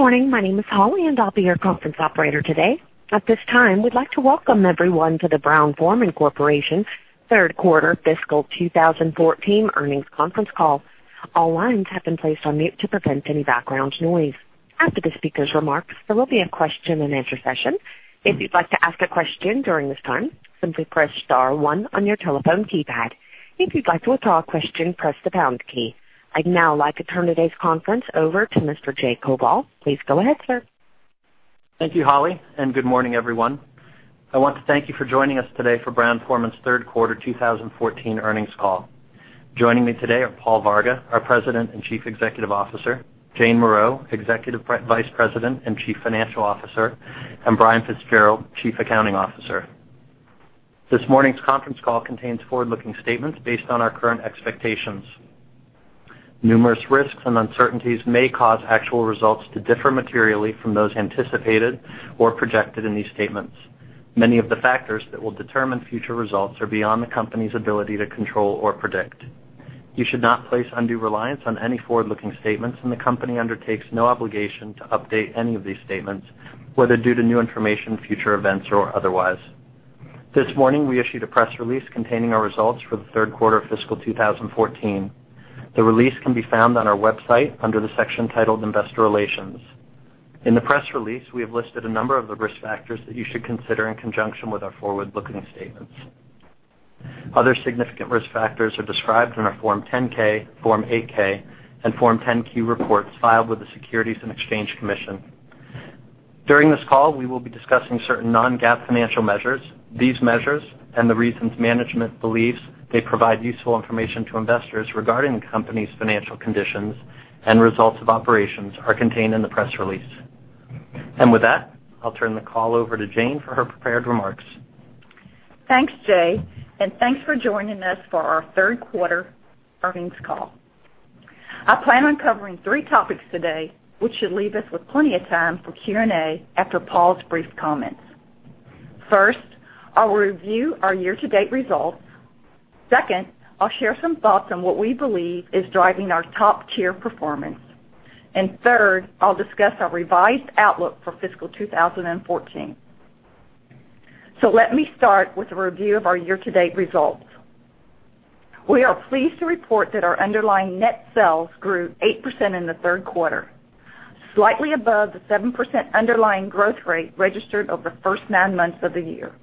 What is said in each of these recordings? Good morning. My name is Holly, and I'll be your conference operator today. At this time, we'd like to welcome everyone to the Brown-Forman Corporation third quarter fiscal 2014 earnings conference call. All lines have been placed on mute to prevent any background noise. After the speakers' remarks, there will be a question-and-answer session. If you'd like to ask a question during this time, simply press star one on your telephone keypad. If you'd like to withdraw a question, press the pound key. I'd now like to turn today's conference over to Mr. Jay Koval. Please go ahead, sir. Thank you, Holly. Good morning, everyone. I want to thank you for joining us today for Brown-Forman's third quarter 2014 earnings call. Joining me today are Paul Varga, our President and Chief Executive Officer; Jane Morreau, Executive Vice President and Chief Financial Officer; and Brian Fitzgerald, Chief Accounting Officer. This morning's conference call contains forward-looking statements based on our current expectations. Numerous risks and uncertainties may cause actual results to differ materially from those anticipated or projected in these statements. Many of the factors that will determine future results are beyond the company's ability to control or predict. You should not place undue reliance on any forward-looking statements. The company undertakes no obligation to update any of these statements, whether due to new information, future events, or otherwise. This morning, we issued a press release containing our results for the third quarter of fiscal 2014. The release can be found on our website under the section titled Investor Relations. In the press release, we have listed a number of the risk factors that you should consider in conjunction with our forward-looking statements. Other significant risk factors are described in our Form 10-K, Form 8-K, and Form 10-Q reports filed with the Securities and Exchange Commission. During this call, we will be discussing certain non-GAAP financial measures. These measures and the reasons management believes they provide useful information to investors regarding the company's financial conditions and results of operations are contained in the press release. With that, I'll turn the call over to Jane for her prepared remarks. Thanks, Jay. Thanks for joining us for our third quarter earnings call. I plan on covering three topics today, which should leave us with plenty of time for Q&A after Paul's brief comments. First, I'll review our year-to-date results. Second, I'll share some thoughts on what we believe is driving our top-tier performance. Third, I'll discuss our revised outlook for fiscal 2014. Let me start with a review of our year-to-date results. We are pleased to report that our underlying net sales grew 8% in the third quarter, slightly above the 7% underlying growth rate registered over the first nine months of the year.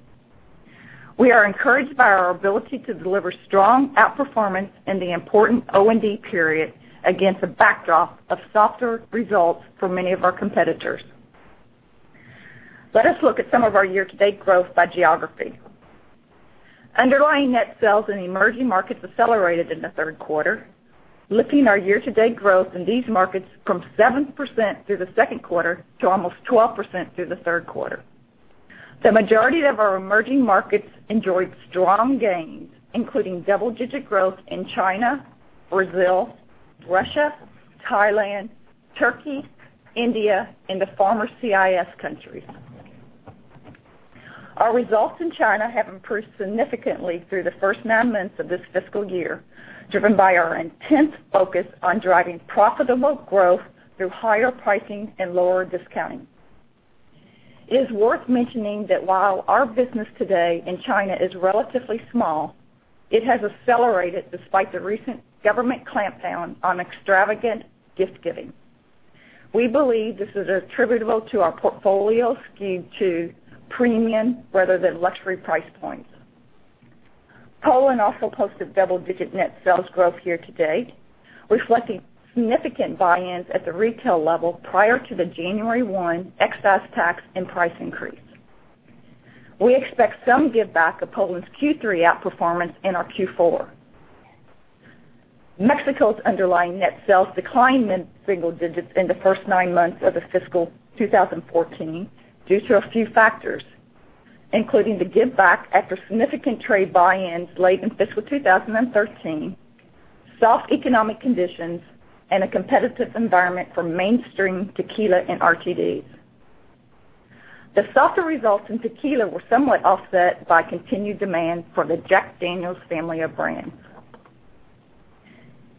We are encouraged by our ability to deliver strong outperformance in the important OND period against a backdrop of softer results for many of our competitors. Let us look at some of our year-to-date growth by geography. Underlying net sales in emerging markets accelerated in the third quarter, lifting our year-to-date growth in these markets from 7% through the second quarter to almost 12% through the third quarter. The majority of our emerging markets enjoyed strong gains, including double-digit growth in China, Brazil, Russia, Thailand, Turkey, India, and the former CIS countries. Our results in China have improved significantly through the first nine months of this fiscal year, driven by our intense focus on driving profitable growth through higher pricing and lower discounting. It is worth mentioning that while our business today in China is relatively small, it has accelerated despite the recent government clampdown on extravagant gift-giving. We believe this is attributable to our portfolio skewed to premium rather than luxury price points. Poland also posted double-digit net sales growth year to date, reflecting significant buy-ins at the retail level prior to the January 1 excise tax and price increase. We expect some giveback of Poland's Q3 outperformance in our Q4. Mexico's underlying net sales declined mid-single digits in the first nine months of the fiscal 2014 due to a few factors, including the giveback after significant trade buy-ins late in fiscal 2013, soft economic conditions, and a competitive environment for mainstream tequila and RTDs. The softer results in tequila were somewhat offset by continued demand for the Jack Daniel's family of brands.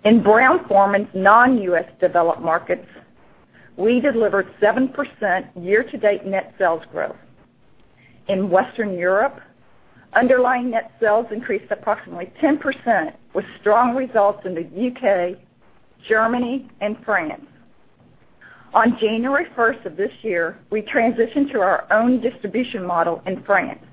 In Brown-Forman's non-U.S. developed markets, we delivered 7% year-to-date net sales growth. In Western Europe, underlying net sales increased approximately 10%, with strong results in the U.K., Germany, and France. On January 1st of this year, we transitioned to our own distribution model in France.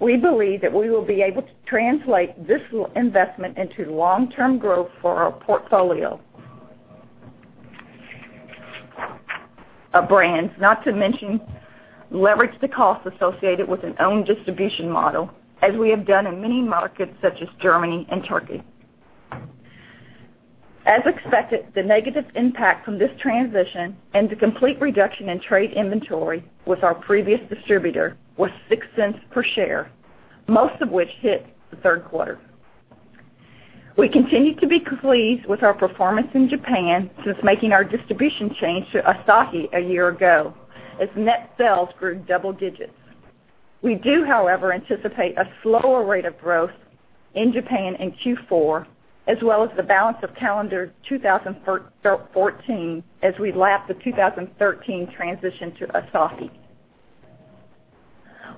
We believe that we will be able to translate this investment into long-term growth for our portfolio of brands, not to mention leverage the costs associated with an own distribution model, as we have done in many markets, such as Germany and Turkey. As expected, the negative impact from this transition and the complete reduction in trade inventory with our previous distributor was $0.06 per share, most of which hit the third quarter. We continue to be pleased with our performance in Japan since making our distribution change to Asahi a year ago as net sales grew double digits. We do, however, anticipate a slower rate of growth in Japan in Q4, as well as the balance of calendar 2014, as we lap the 2013 transition to Asahi.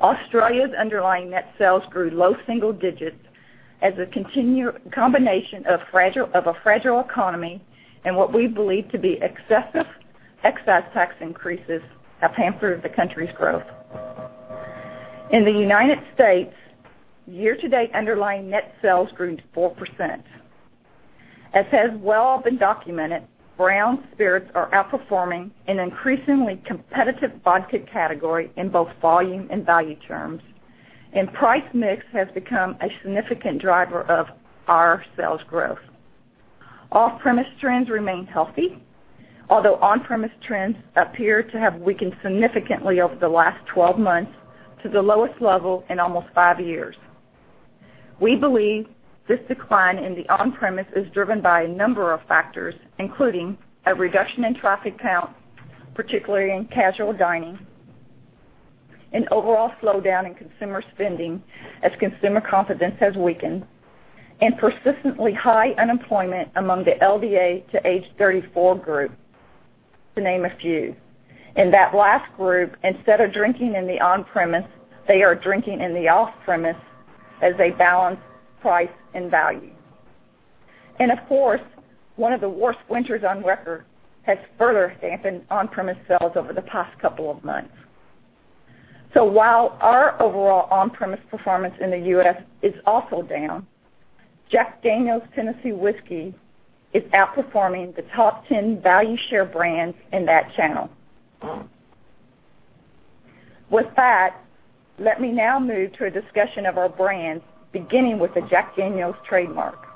Australia's underlying net sales grew low single digits as a combination of a fragile economy and what we believe to be excessive excise tax increases have hampered the country's growth. In the United States, year-to-date underlying net sales grew to 4%. As has well been documented, Brown Spirits are outperforming an increasingly competitive vodka category in both volume and value terms, and price mix has become a significant driver of our sales growth. Off-premise trends remain healthy, although on-premise trends appear to have weakened significantly over the last 12 months to the lowest level in almost five years. We believe this decline in the on-premise is driven by a number of factors, including a reduction in traffic count, particularly in casual dining, an overall slowdown in consumer spending as consumer confidence has weakened, and persistently high unemployment among the LDA to age 34 group, to name a few. In that last group, instead of drinking in the on-premise, they are drinking in the off-premise as they balance price and value. Of course, one of the worst winters on record has further dampened on-premise sales over the past couple of months. While our overall on-premise performance in the U.S. is also down, Jack Daniel's Tennessee Whiskey is outperforming the top 10 value share brands in that channel. With that, let me now move to a discussion of our brands, beginning with the Jack Daniel's trademark.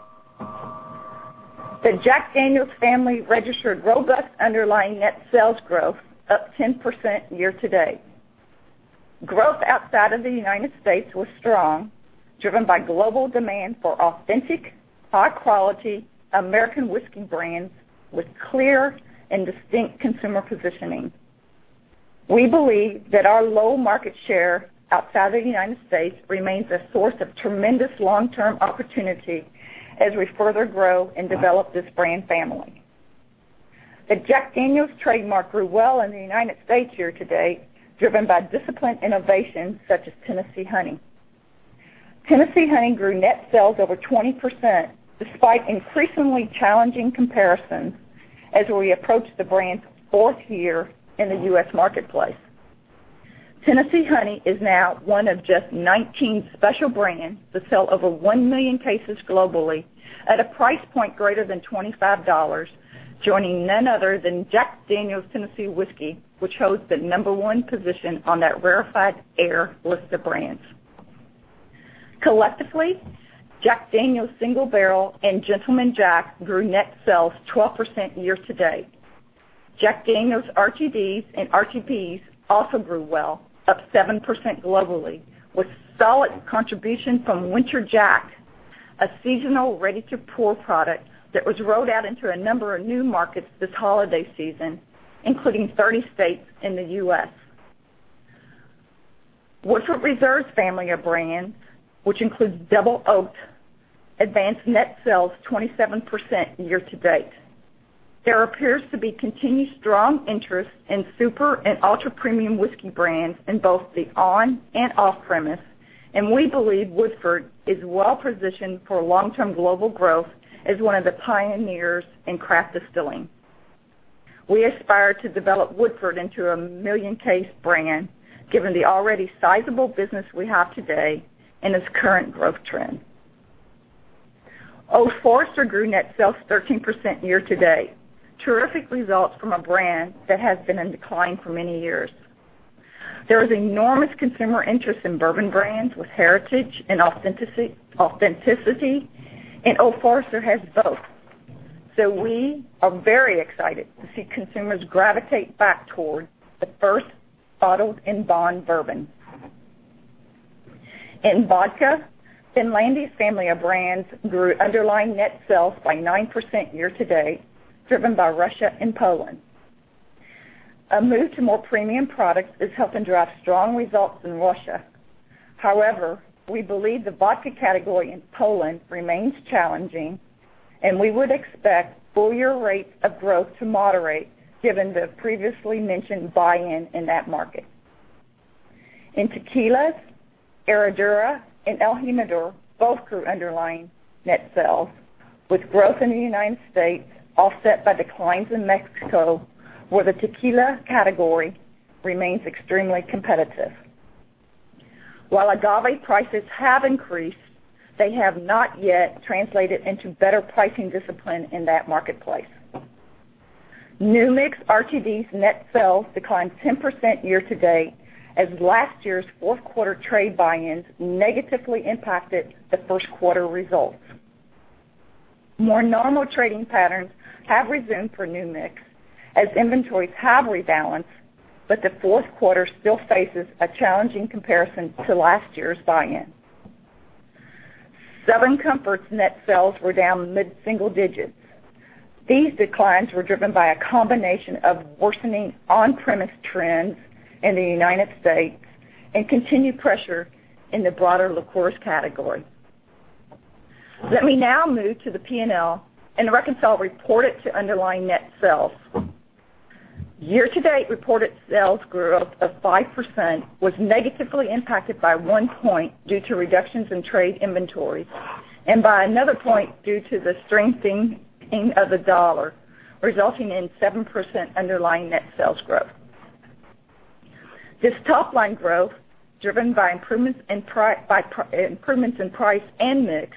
The Jack Daniel's family registered robust underlying net sales growth, up 10% year to date. Growth outside of the United States was strong, driven by global demand for authentic, high-quality American whiskey brands with clear and distinct consumer positioning. We believe that our low market share outside of the United States remains a source of tremendous long-term opportunity as we further grow and develop this brand family. The Jack Daniel's trademark grew well in the United States year to date, driven by disciplined innovation such as Tennessee Honey. Tennessee Honey grew net sales over 20%, despite increasingly challenging comparisons as we approach the brand's fourth year in the U.S. marketplace. Tennessee Honey is now one of just 19 special brands that sell over 1 million cases globally at a price point greater than $25, joining none other than Jack Daniel's Tennessee Whiskey, which holds the number 1 position on that rarefied air list of brands. Collectively, Jack Daniel's Single Barrel and Gentleman Jack grew net sales 12% year to date. Jack Daniel's RTDs and RTPs also grew well, up 7% globally, with solid contribution from Winter Jack, a seasonal ready-to-pour product that was rolled out into a number of new markets this holiday season, including 30 states in the U.S. Woodford Reserve family of brands, which includes Double Oak, advanced net sales 27% year to date. There appears to be continued strong interest in super and ultra-premium whiskey brands in both the on and off-premise. We believe Woodford is well-positioned for long-term global growth as one of the pioneers in craft distilling. We aspire to develop Woodford into a 1 million case brand, given the already sizable business we have today and its current growth trend. Old Forester grew net sales 13% year to date. Terrific results from a brand that has been in decline for many years. There is enormous consumer interest in bourbon brands with heritage and authenticity. Old Forester has both. We are very excited to see consumers gravitate back toward the first bottled and bond bourbon. In vodka, Finlandia's family of brands grew underlying net sales by 9% year to date, driven by Russia and Poland. A move to more premium products is helping drive strong results in Russia. However, we believe the vodka category in Poland remains challenging. We would expect full year rates of growth to moderate given the previously mentioned buy-in in that market. In tequilas, Herradura and el Jimador both grew underlying net sales, with growth in the United States offset by declines in Mexico, where the tequila category remains extremely competitive. While agave prices have increased, they have not yet translated into better pricing discipline in that marketplace. New Mix RTDs net sales declined 10% year to date as last year's fourth quarter trade buy-ins negatively impacted the first quarter results. More normal trading patterns have resumed for New Mix, as inventories have rebalanced, but the fourth quarter still faces a challenging comparison to last year's buy-in. Southern Comfort's net sales were down mid-single digits. These declines were driven by a combination of worsening on-premise trends in the United States and continued pressure in the broader liqueurs category. Let me now move to the P&L and reconcile reported to underlying net sales. Year-to-date reported sales growth of 5% was negatively impacted by one point due to reductions in trade inventories and by another point due to the strengthening of the dollar, resulting in 7% underlying net sales growth. This top-line growth, driven by improvements in price and mix,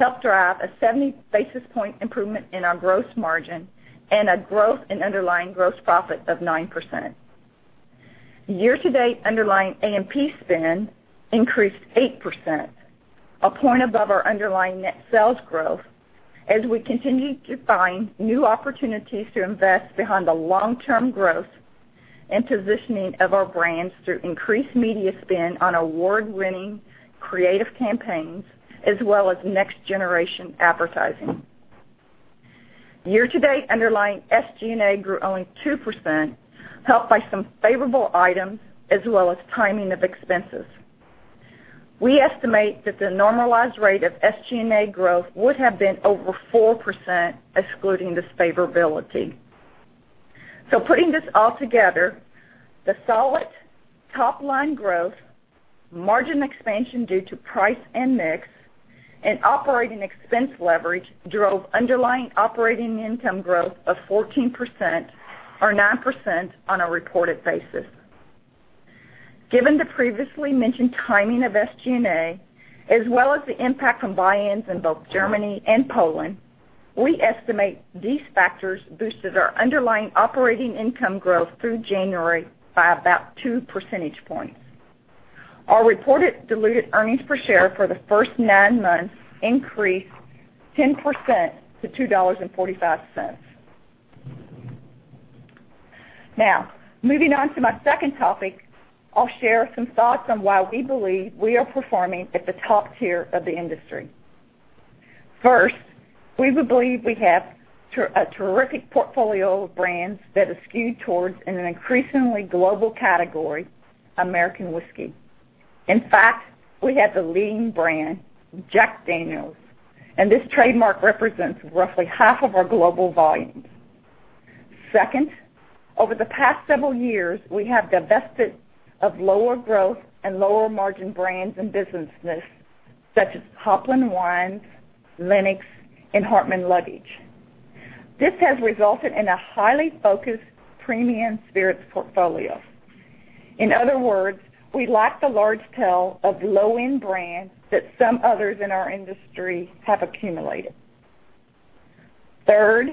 helped drive a 70 basis point improvement in our gross margin and a growth in underlying gross profit of 9%. Year-to-date underlying A&P spend increased 8%, a point above our underlying net sales growth, as we continue to find new opportunities to invest behind the long-term growth and positioning of our brands through increased media spend on award-winning creative campaigns, as well as next generation advertising. Year-to-date underlying SG&A grew only 2%, helped by some favorable items as well as timing of expenses. We estimate that the normalized rate of SG&A growth would have been over 4%, excluding this favorability. Putting this all together, the solid top-line growth, margin expansion due to price and mix, and operating expense leverage drove underlying operating income growth of 14%, or 9% on a reported basis. Given the previously mentioned timing of SG&A, as well as the impact from buy-ins in both Germany and Poland, we estimate these factors boosted our underlying operating income growth through January by about two percentage points. Our reported diluted earnings per share for the first nine months increased 10% to $2.45. Now, moving on to my second topic, I'll share some thoughts on why we believe we are performing at the top tier of the industry. First, we believe we have a terrific portfolio of brands that are skewed towards an increasingly global category, American Whiskey. In fact, we have the leading brand, Jack Daniel's, and this trademark represents roughly half of our global volumes. Second, over the past several years, we have divested of lower growth and lower margin brands and businesses such as Fetzer Wines, Lenox, and Hartmann Luggage. This has resulted in a highly focused premium spirits portfolio. In other words, we lack the large tail of low-end brands that some others in our industry have accumulated. Third,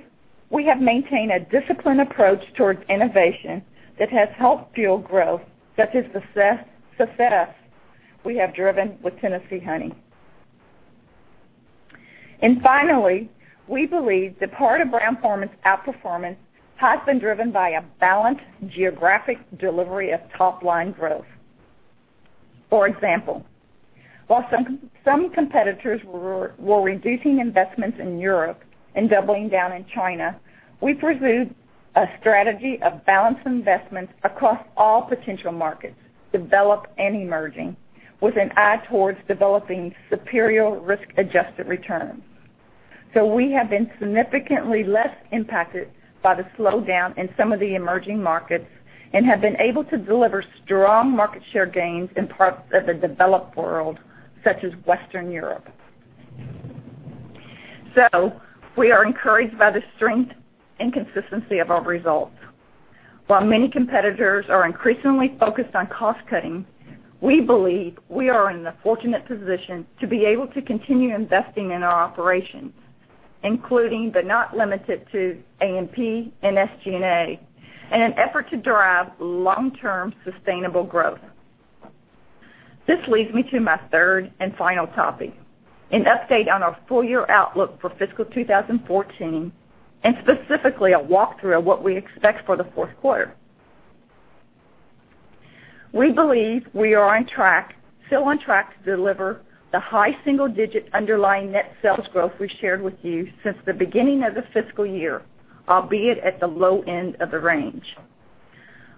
we have maintained a disciplined approach towards innovation that has helped fuel growth, such as the success we have driven with Tennessee Honey. Finally, we believe that part of Brown-Forman's outperformance has been driven by a balanced geographic delivery of top-line growth. For example, while some competitors were reducing investments in Europe and doubling down in China, we pursued a strategy of balanced investments across all potential markets, developed and emerging, with an eye towards developing superior risk-adjusted returns. We have been significantly less impacted by the slowdown in some of the emerging markets and have been able to deliver strong market share gains in parts of the developed world, such as Western Europe. We are encouraged by the strength and consistency of our results. While many competitors are increasingly focused on cost-cutting, we believe we are in the fortunate position to be able to continue investing in our operations, including, but not limited to, A&P and SG&A, in an effort to drive long-term sustainable growth. This leads me to my third and final topic, an update on our full-year outlook for fiscal 2014, and specifically a walkthrough of what we expect for the fourth quarter. We believe we are still on track to deliver the high single-digit underlying net sales growth we shared with you since the beginning of the fiscal year, albeit at the low end of the range.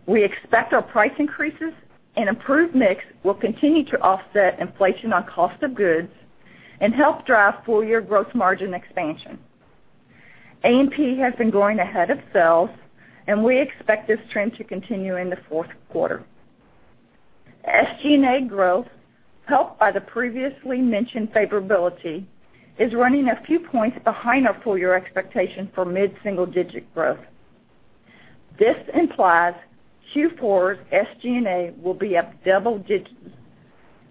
We expect our price increases and improved mix will continue to offset inflation on cost of goods and help drive full-year growth margin expansion. A&P has been growing ahead of sales, and we expect this trend to continue in the fourth quarter. SG&A growth, helped by the previously mentioned favorability, is running a few points behind our full-year expectation for mid-single digit growth. This implies Q4's SG&A will be up double digits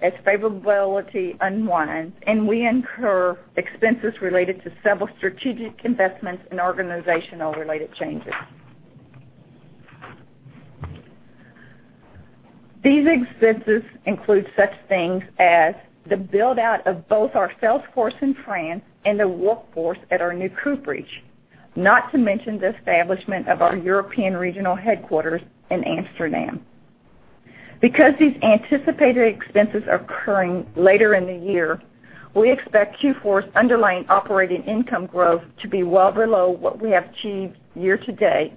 as favorability unwinds, and we incur expenses related to several strategic investments and organizational related changes. These expenses include such things as the build-out of both our sales force in France and the workforce at our new cooperage, not to mention the establishment of our European regional headquarters in Amsterdam. These anticipated expenses are occurring later in the year, we expect Q4's underlying operating income growth to be well below what we have achieved year-to-date,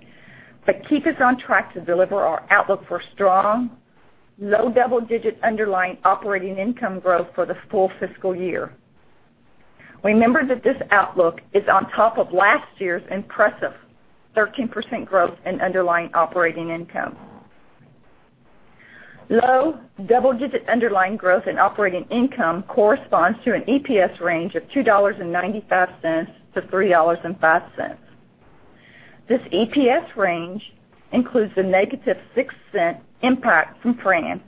but keep us on track to deliver our outlook for strong, low double-digit underlying operating income growth for the full fiscal year. Remember that this outlook is on top of last year's impressive 13% growth in underlying operating income. Low double-digit underlying growth in operating income corresponds to an EPS range of $2.95-$3.05. This EPS range includes a negative $0.06 impact from France,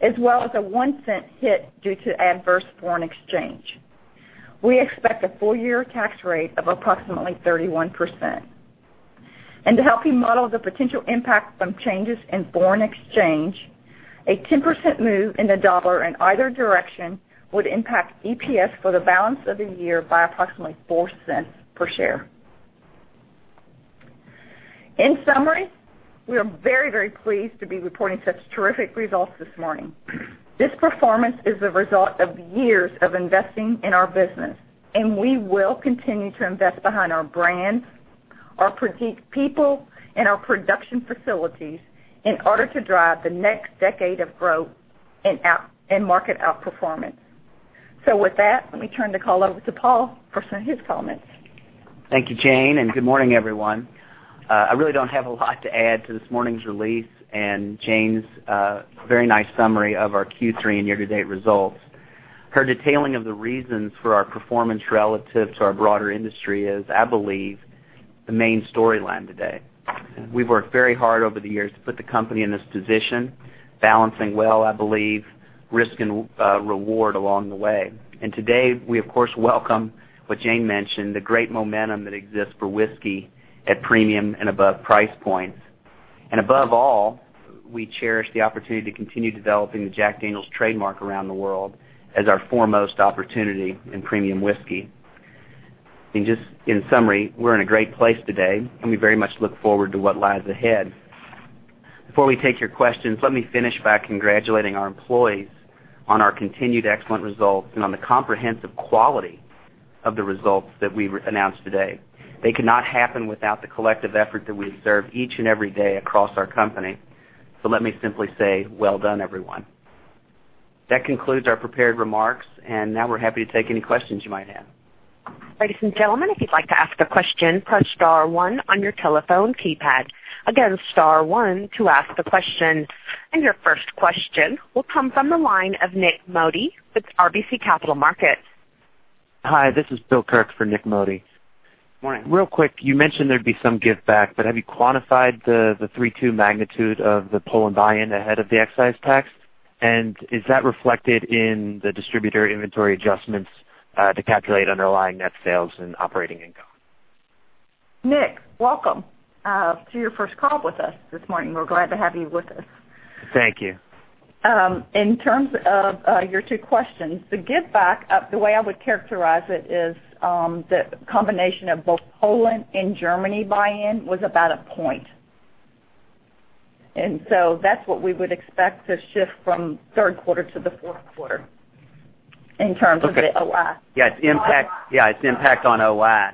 as well as a $0.01 hit due to adverse foreign exchange. We expect a full-year tax rate of approximately 31%. To help you model the potential impact from changes in foreign exchange, a 10% move in the dollar in either direction would impact EPS for the balance of the year by approximately $0.04 per share. In summary, we are very pleased to be reporting such terrific results this morning. This performance is the result of years of investing in our business, and we will continue to invest behind our brands, our people, and our production facilities in order to drive the next decade of growth and market outperformance. With that, let me turn the call over to Paul for some of his comments. Thank you, Jane, and good morning, everyone. I really don't have a lot to add to this morning's release and Jane's very nice summary of our Q3 and year-to-date results. Her detailing of the reasons for our performance relative to our broader industry is, I believe, the main storyline today. We've worked very hard over the years to put the company in this position, balancing well, I believe, risk and reward along the way. Today, we, of course, welcome what Jane mentioned, the great momentum that exists for whiskey at premium and above price points. Above all, we cherish the opportunity to continue developing the Jack Daniel's trademark around the world as our foremost opportunity in premium whiskey. Just in summary, we're in a great place today, and we very much look forward to what lies ahead. Before we take your questions, let me finish by congratulating our employees on our continued excellent results and on the comprehensive quality of the results that we announced today. They could not happen without the collective effort that we observe each and every day across our company. Let me simply say, well done, everyone. That concludes our prepared remarks, and now we're happy to take any questions you might have. Ladies and gentlemen, if you'd like to ask a question, press star one on your telephone keypad. Again, star one to ask the question. Your first question will come from the line of Nik Modi with RBC Capital Markets. Hi, this is William Kirk for Nik Modi. Morning. Real quick, you mentioned there'd be some giveback, have you quantified the 3.2 magnitude of the Poland buy-in ahead of the excise tax? And is that reflected in the distributor inventory adjustments to calculate underlying net sales and operating income? Nik, welcome to your first call with us this morning. We're glad to have you with us. Thank you. In terms of your two questions, the giveback, the way I would characterize it is, the combination of both Poland and Germany buy-in was about a point. That's what we would expect to shift from third quarter to the fourth quarter in terms of the OI. Yeah, its impact on OI.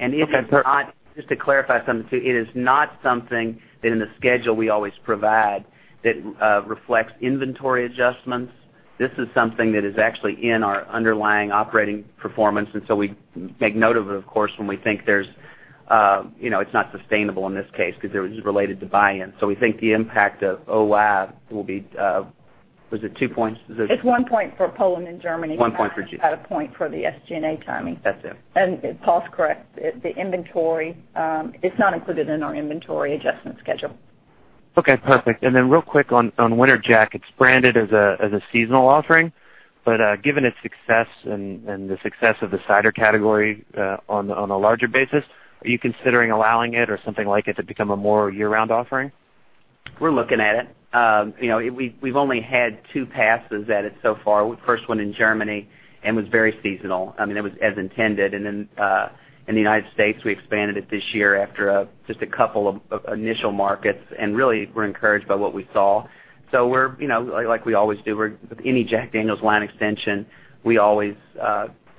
Yep. Just to clarify something too, it is not something that in the schedule we always provide that reflects inventory adjustments. This is something that is actually in our underlying operating performance, and so we make note of it, of course, when we think it's not sustainable in this case because it was related to buy-in. We think the impact of OI will be, was it 2 points? It's 1 point for Poland and Germany. 1 point for each. About a point for the SG&A timing. That's it. Paul's correct. The inventory, it's not included in our inventory adjustment schedule. Okay, perfect. Real quick on Winter Jack. It's branded as a seasonal offering, but given its success and the success of the cider category on a larger basis, are you considering allowing it or something like it to become a more year-round offering? We're looking at it. We've only had two passes at it so far. First one in Germany and was very seasonal. I mean, it was as intended. Then, in the U.S., we expanded it this year after just a couple of initial markets, and really, we're encouraged by what we saw. We always do, with any Jack Daniel's line extension, we always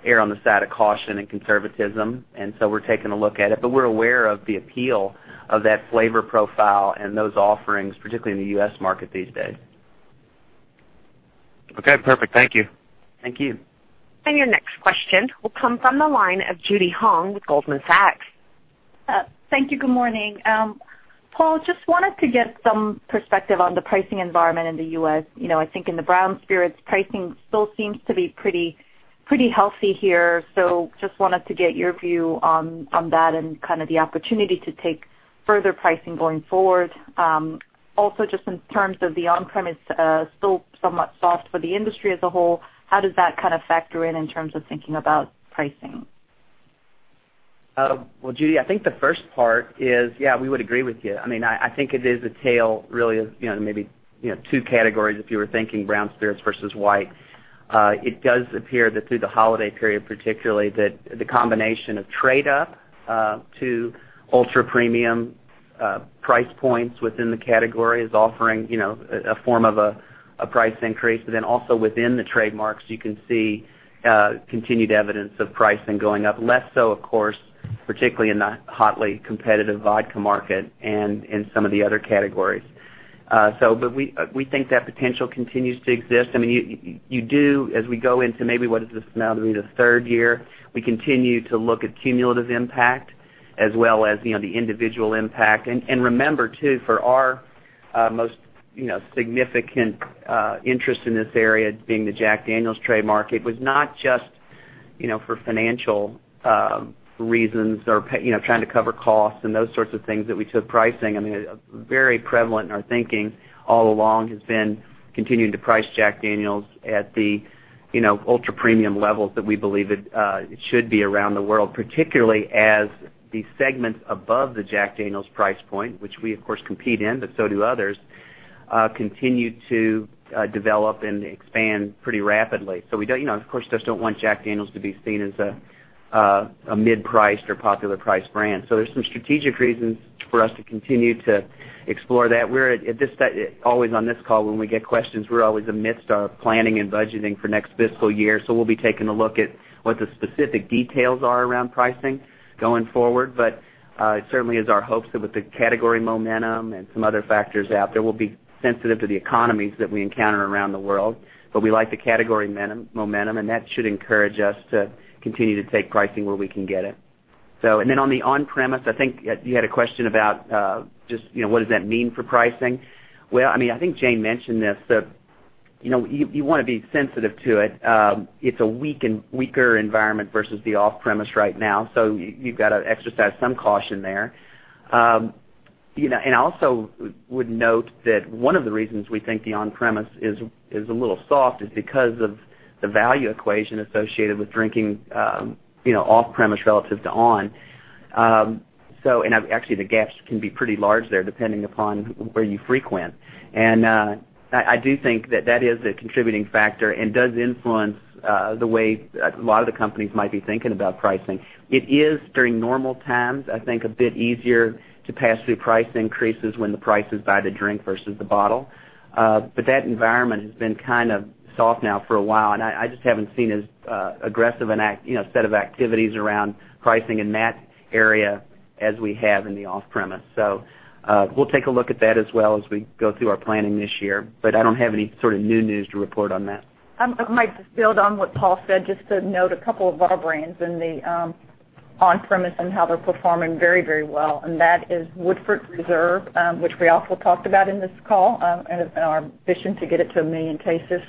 err on the side of caution and conservatism, and so we're taking a look at it. We're aware of the appeal of that flavor profile and those offerings, particularly in the U.S. market these days. Okay, perfect. Thank you. Thank you. Your next question will come from the line of Judy Hong with Goldman Sachs. Thank you. Good morning. Paul, just wanted to get some perspective on the pricing environment in the U.S. I think in the brown spirits, pricing still seems to be pretty healthy here. Just wanted to get your view on that and kind of the opportunity to take further pricing going forward. In terms of the on-premise, still somewhat soft for the industry as a whole. How does that kind of factor in in terms of thinking about pricing? Well, Judy, I think the first part is, yeah, we would agree with you. I think it is a tale, really, of maybe two categories, if you were thinking brown spirits versus white. It does appear that through the holiday period, particularly, that the combination of trade up to ultra-premium price points within the category is offering a form of a price increase. Also within the trademarks, you can see continued evidence of pricing going up less so, of course, particularly in the hotly competitive vodka market and in some of the other categories. We think that potential continues to exist. As we go into maybe, what is this now? Maybe the third year, we continue to look at cumulative impact as well as the individual impact. Remember, too, for our most significant interest in this area, being the Jack Daniel's trademark, it was not just for financial reasons or trying to cover costs and those sorts of things that we took pricing. Very prevalent in our thinking all along has been continuing to price Jack Daniel's at the ultra-premium levels that we believe it should be around the world, particularly as the segments above the Jack Daniel's price point, which we, of course, compete in, but so do others, continue to develop and expand pretty rapidly. We, of course, just don't want Jack Daniel's to be seen as a mid-priced or popular priced brand. There's some strategic reasons for us to continue to explore that. Always on this call, when we get questions, we're always amidst our planning and budgeting for next fiscal year. We'll be taking a look at what the specific details are around pricing going forward. It certainly is our hopes that with the category momentum and some other factors out there, we'll be sensitive to the economies that we encounter around the world. We like the category momentum, and that should encourage us to continue to take pricing where we can get it. On the on-premise, I think you had a question about just what does that mean for pricing? Well, I think Jane mentioned this, but you want to be sensitive to it. It's a weaker environment versus the off-premise right now. You've got to exercise some caution there. I also would note that one of the reasons we think the on-premise is a little soft is because of the value equation associated with drinking off-premise relative to on. Actually, the gaps can be pretty large there, depending upon where you frequent. I do think that that is a contributing factor and does influence the way a lot of the companies might be thinking about pricing. It is, during normal times, I think, a bit easier to pass through price increases when the price is by the drink versus the bottle. That environment has been kind of soft now for a while, and I just haven't seen as aggressive a set of activities around pricing in that area as we have in the off-premise. We'll take a look at that as well as we go through our planning this year, but I don't have any sort of new news to report on that. [Mike], to build on what Paul said, just to note a couple of our brands in the on-premise and how they're performing very, very well, and that is Woodford Reserve, which we also talked about in this call, and our ambition to get it to 1 million cases,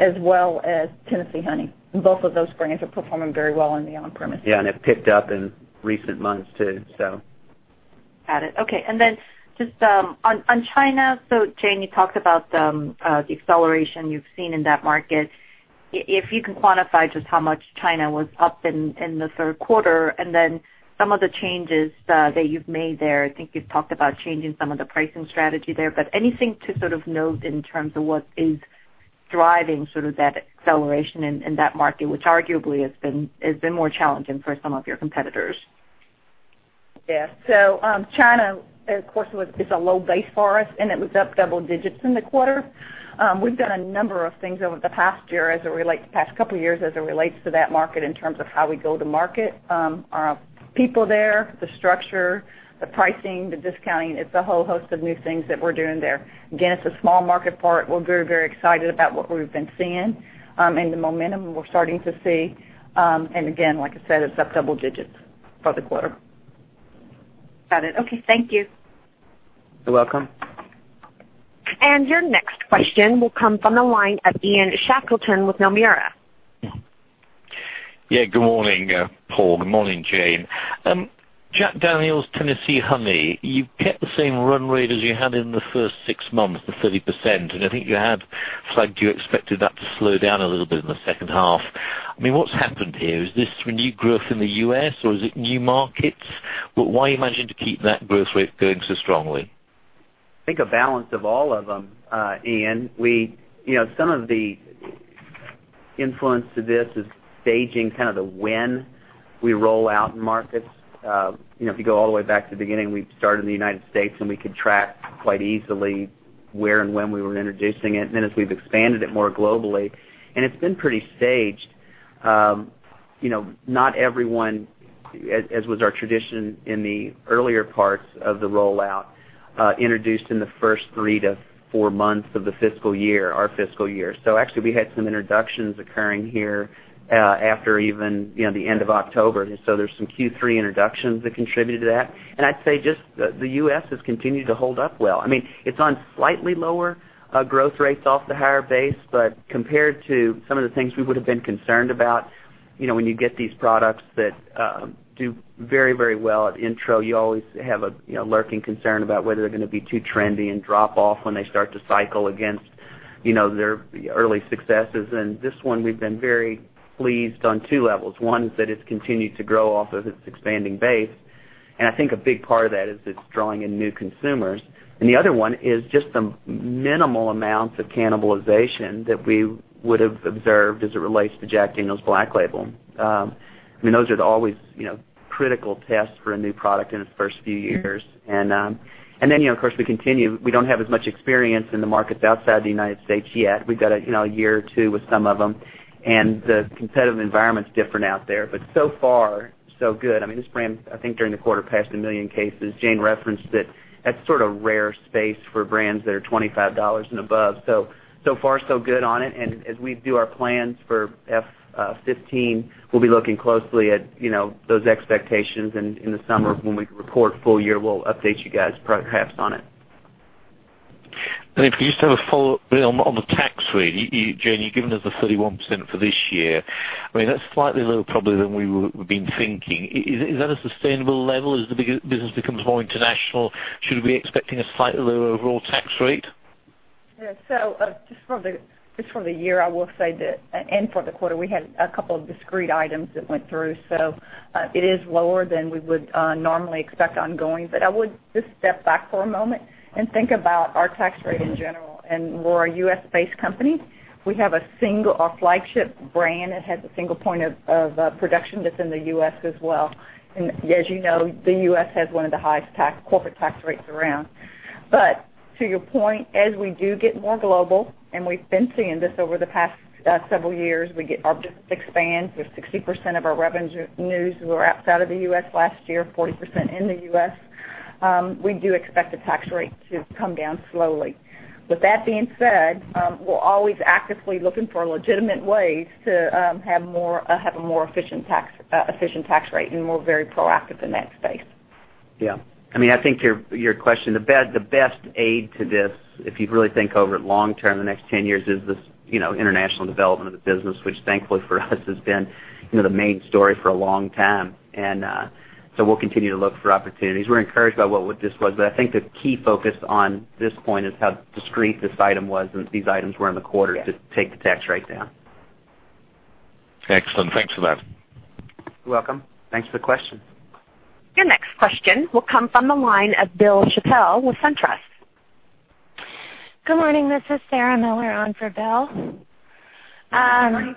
as well as Tennessee Honey. Both of those brands are performing very well in the on-premise. Yeah, have picked up in recent months, too. Got it. Okay, then just on China, Jane, you talked about the acceleration you've seen in that market. If you can quantify just how much China was up in the third quarter and then some of the changes that you've made there. I think you've talked about changing some of the pricing strategy there, anything to sort of note in terms of what is driving sort of that acceleration in that market, which arguably has been more challenging for some of your competitors? China, of course, is a low base for us, and it was up double digits in the quarter. We've done a number of things over the past year, the past couple of years, as it relates to that market in terms of how we go to market. Our people there, the structure, the pricing, the discounting, it's a whole host of new things that we're doing there. It's a small market for it. We're very, very excited about what we've been seeing and the momentum we're starting to see. Like I said, it's up double digits for the quarter. Got it. Okay. Thank you. You're welcome. Your next question will come from the line of Ian Shackleton with Nomura. Good morning, Paul. Good morning, Jane. Jack Daniel's Tennessee Honey, you've kept the same run rate as you had in the first six months, the 30%, and I think you had flagged you expected that to slow down a little bit in the second half. What's happened here? Is this renewed growth in the U.S., or is it new markets? Why are you managing to keep that growth rate going so strongly? I think a balance of all of them, Ian. Some of the influence to this is staging kind of the when we roll out in markets. If you go all the way back to the beginning, we started in the United States, we could track quite easily where and when we were introducing it, then as we've expanded it more globally, it's been pretty staged. Not everyone, as was our tradition in the earlier parts of the rollout, introduced in the first three to four months of the fiscal year, our fiscal year. Actually, we had some introductions occurring here after even the end of October. There's some Q3 introductions that contributed to that. I'd say just the U.S. has continued to hold up well. It's on slightly lower growth rates off the higher base, compared to some of the things we would have been concerned about, when you get these products that do very, very well at intro, you always have a lurking concern about whether they're going to be too trendy and drop off when they start to cycle against Their early successes, this one, we've been very pleased on two levels. One is that it's continued to grow off of its expanding base, I think a big part of that is it's drawing in new consumers. The other one is just the minimal amounts of cannibalization that we would've observed as it relates to Jack Daniel's Black Label. Those are always critical tests for a new product in its first few years. Of course, we continue. We don't have as much experience in the markets outside the United States yet. We've got a year or two with some of them, the competitive environment's different out there, so far, so good. This brand, I think, during the quarter, passed a million cases. Jane referenced it. That's sort of rare space for brands that are $25 and above. So far, so good on it. As we do our plans for F15, we'll be looking closely at those expectations in the summer when we report full year, we'll update you guys perhaps on it. If you just have a follow-up on the tax rate. Jane, you've given us the 31% for this year. That's slightly lower probably than we've been thinking. Is that a sustainable level as the business becomes more international? Should we be expecting a slightly lower overall tax rate? Just for the year, I will say that, for the quarter, we had a couple of discrete items that went through. It is lower than we would normally expect ongoing. I would just step back for a moment and think about our tax rate in general. We're a U.S.-based company. We have a flagship brand that has a single point of production that's in the U.S. as well. As you know, the U.S. has one of the highest corporate tax rates around. To your point, as we do get more global, and we've been seeing this over the past several years, our business expands. We have 60% of our revenues were outside of the U.S. last year, 40% in the U.S. We do expect the tax rate to come down slowly. With that being said, we're always actively looking for legitimate ways to have a more efficient tax rate, and we're very proactive in that space. I think your question, the best aid to this, if you really think over long term, the next 10 years, is this international development of the business, which thankfully for us has been the main story for a long time. We'll continue to look for opportunities. We're encouraged by what this was, but I think the key focus on this point is how discreet this item was, and these items were in the quarter to take the tax rate down. Excellent. Thanks for that. You're welcome. Thanks for the question. Your next question will come from the line of William Chappell with SunTrust. Good morning. This is Sarah Miller on for Bill. Good morning,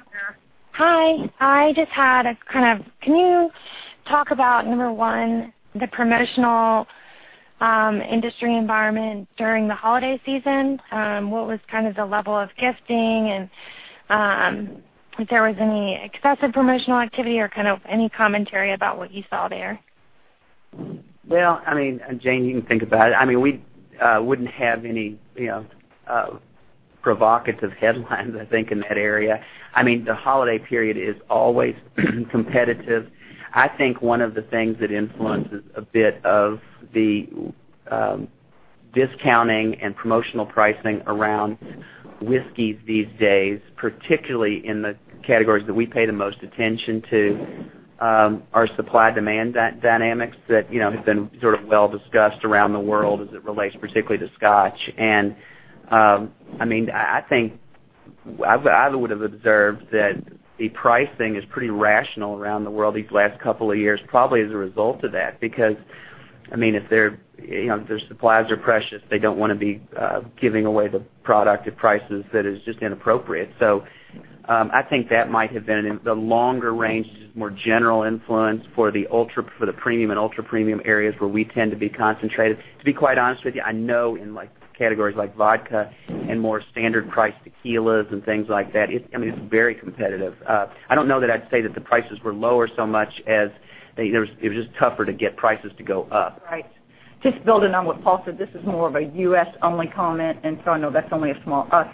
Sarah. Hi. Can you talk about, number one, the promotional industry environment during the holiday season? What was the level of gifting, and if there was any excessive promotional activity or any commentary about what you saw there? Well, Jane, you can think about it. We wouldn't have any provocative headlines I think, in that area. The holiday period is always competitive. I think one of the things that influences a bit of the discounting and promotional pricing around whiskeys these days, particularly in the categories that we pay the most attention to, are supply-demand dynamics that have been sort of well discussed around the world as it relates particularly to Scotch. I think I would've observed that the pricing is pretty rational around the world these last couple of years, probably as a result of that. If their supplies are precious, they don't want to be giving away the product at prices that is just inappropriate. I think that might have been the longer range, just more general influence for the premium and ultra-premium areas where we tend to be concentrated. To be quite honest with you, I know in categories like vodka and more standard priced tequilas and things like that, it's very competitive. I don't know that I'd say that the prices were lower so much as it was just tougher to get prices to go up. Right. Just building on what Paul said, this is more of a U.S.-only comment. I know that's only a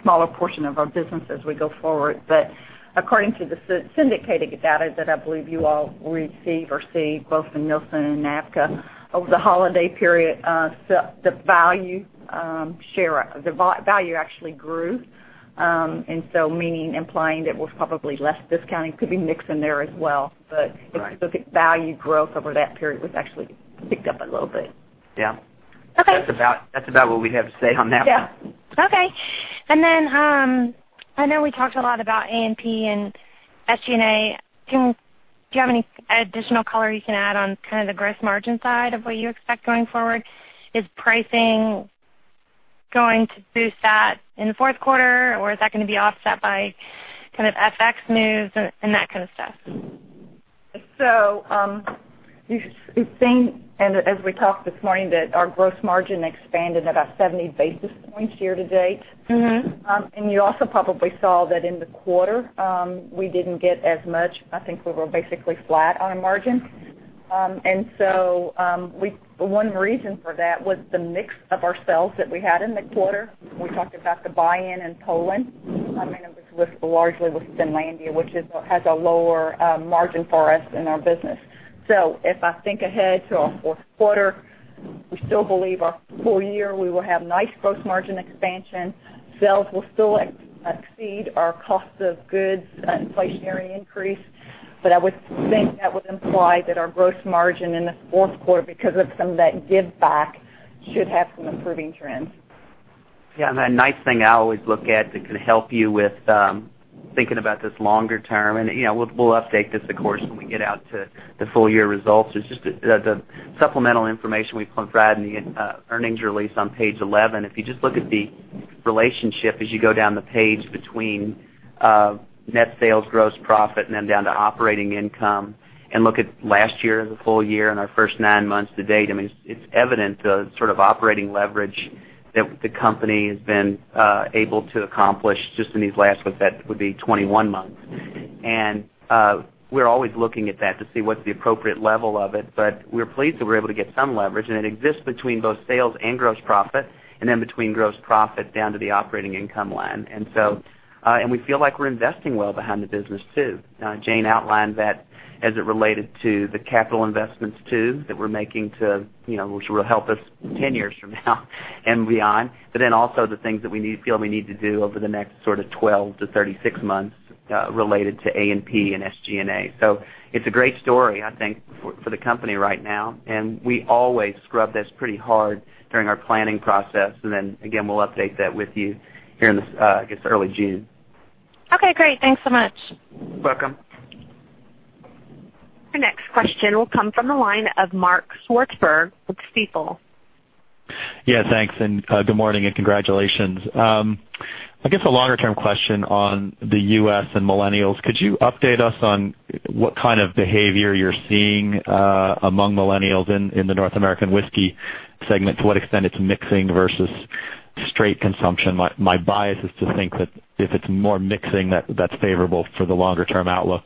smaller portion of our business as we go forward. According to the syndicated data that I believe you all receive or see, both in Nielsen and NABCA, over the holiday period, the value actually grew. Meaning implying that was probably less discounting. Could be mix in there as well. Right. Specific value growth over that period was actually picked up a little bit. Yeah. Okay. That's about what we have to say on that one. Yeah. Okay. I know we talked a lot about A&P and SG&A. Do you have any additional color you can add on the gross margin side of what you expect going forward? Is pricing going to boost that in the fourth quarter, or is that going to be offset by kind of FX moves and that kind of stuff? You've seen, and as we talked this morning, that our gross margin expanded about 70 basis points year to date. You also probably saw that in the quarter, we didn't get as much. I think we were basically flat on a margin. One reason for that was the mix of our sales that we had in the quarter. We talked about the buy-in in Poland. It was largely with Finlandia, which has a lower margin for us in our business. If I think ahead to our fourth quarter, we still believe our full year, we will have nice gross margin expansion. Sales will still exceed our cost of goods inflationary increase. I would think that would imply that our gross margin in the fourth quarter, because of some of that give back, should have some improving trends. Yeah. The nice thing I always look at that can help you with thinking about this longer term, and we'll update this, of course, when we get out to the full year results, is just the supplemental information we provided in the earnings release on page 11. If you just look at the relationship as you go down the page between net sales, gross profit, and then down to operating income, and look at last year as a full year and our first nine months to date, it's evident the sort of operating leverage that the company has been able to accomplish just in these last, what that would be 21 months. We're always looking at that to see what the appropriate level of it, but we're pleased that we're able to get some leverage, and it exists between both sales and gross profit, and then between gross profit down to the operating income line. We feel like we're investing well behind the business, too. Jane outlined that as it related to the capital investments, too, that we're making, which will help us 10 years from now and beyond. Also the things that we feel we need to do over the next sort of 12 to 36 months, related to A&P and SG&A. It's a great story, I think, for the company right now, and we always scrub this pretty hard during our planning process. Then again, we'll update that with you here in, I guess, early June. Okay, great. Thanks so much. Welcome. Your next question will come from the line of Mark Swartzberg with Stifel. Thanks, good morning, and congratulations. I guess a longer-term question on the U.S. and millennials. Could you update us on what kind of behavior you're seeing among millennials in the North American whiskey segment? To what extent it's mixing versus straight consumption. My bias is to think that if it's more mixing, that's favorable for the longer-term outlook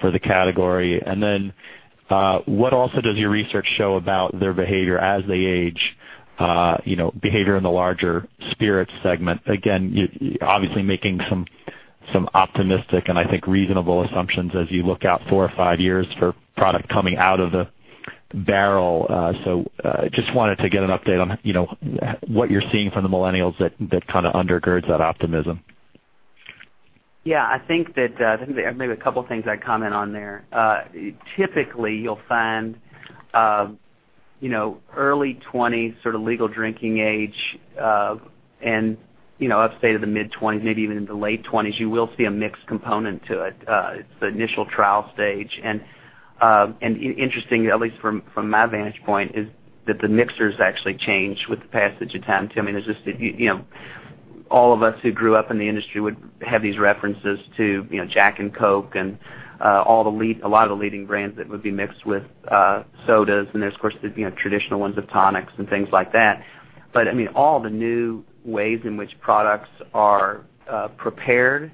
for the category. What also does your research show about their behavior as they age, behavior in the larger spirits segment? Again, obviously making some optimistic and I think reasonable assumptions as you look out four or five years for product coming out of the barrel. Just wanted to get an update on what you're seeing from the millennials that kind of undergirds that optimism. Yeah, I think that maybe a couple things I'd comment on there. Typically, you'll find early 20s, sort of legal drinking age, and upstate of the mid-20s, maybe even into the late 20s, you will see a mixed component to it. It's the initial trial stage. Interesting, at least from my vantage point, is that the mixers actually change with the passage of time, too. All of us who grew up in the industry would have these references to Jack and Coke and a lot of the leading brands that would be mixed with sodas. There's, of course, the traditional ones of tonics and things like that. All the new ways in which products are prepared,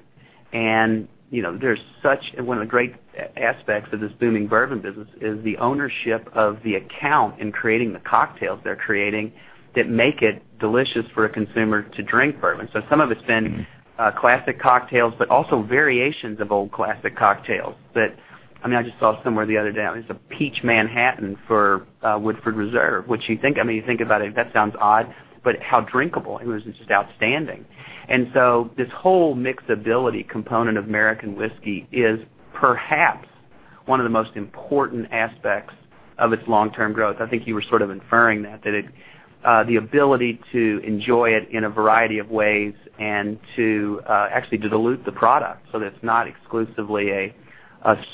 one of the great aspects of this booming bourbon business is the ownership of the account in creating the cocktails they're creating that make it delicious for a consumer to drink bourbon. Some of it's been classic cocktails, but also variations of old classic cocktails. I just saw somewhere the other day, there's a Peach Manhattan for Woodford Reserve, which you think about it, that sounds odd, but how drinkable. It was just outstanding. This whole mixability component of American whiskey is perhaps one of the most important aspects of its long-term growth. I think you were sort of inferring that, the ability to enjoy it in a variety of ways and to actually dilute the product so that it's not exclusively a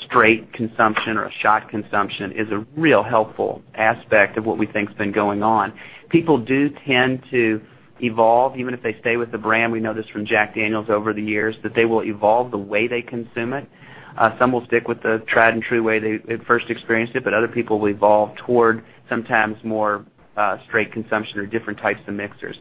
straight consumption or a shot consumption, is a real helpful aspect of what we think's been going on. People do tend to evolve, even if they stay with the brand. We know this from Jack Daniel's over the years, that they will evolve the way they consume it. Some will stick with the tried and true way they first experienced it, but other people will evolve toward sometimes more straight consumption or different types of mixers.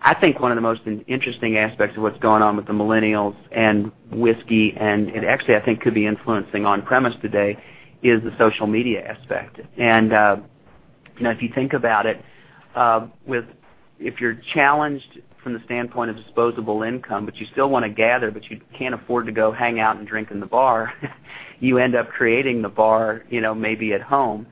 I think one of the most interesting aspects of what's going on with the millennials and whiskey, and it actually, I think, could be influencing on-premise today, is the social media aspect. If you think about it, if you're challenged from the standpoint of disposable income, but you still want to gather, but you can't afford to go hang out and drink in the bar, you end up creating the bar maybe at home.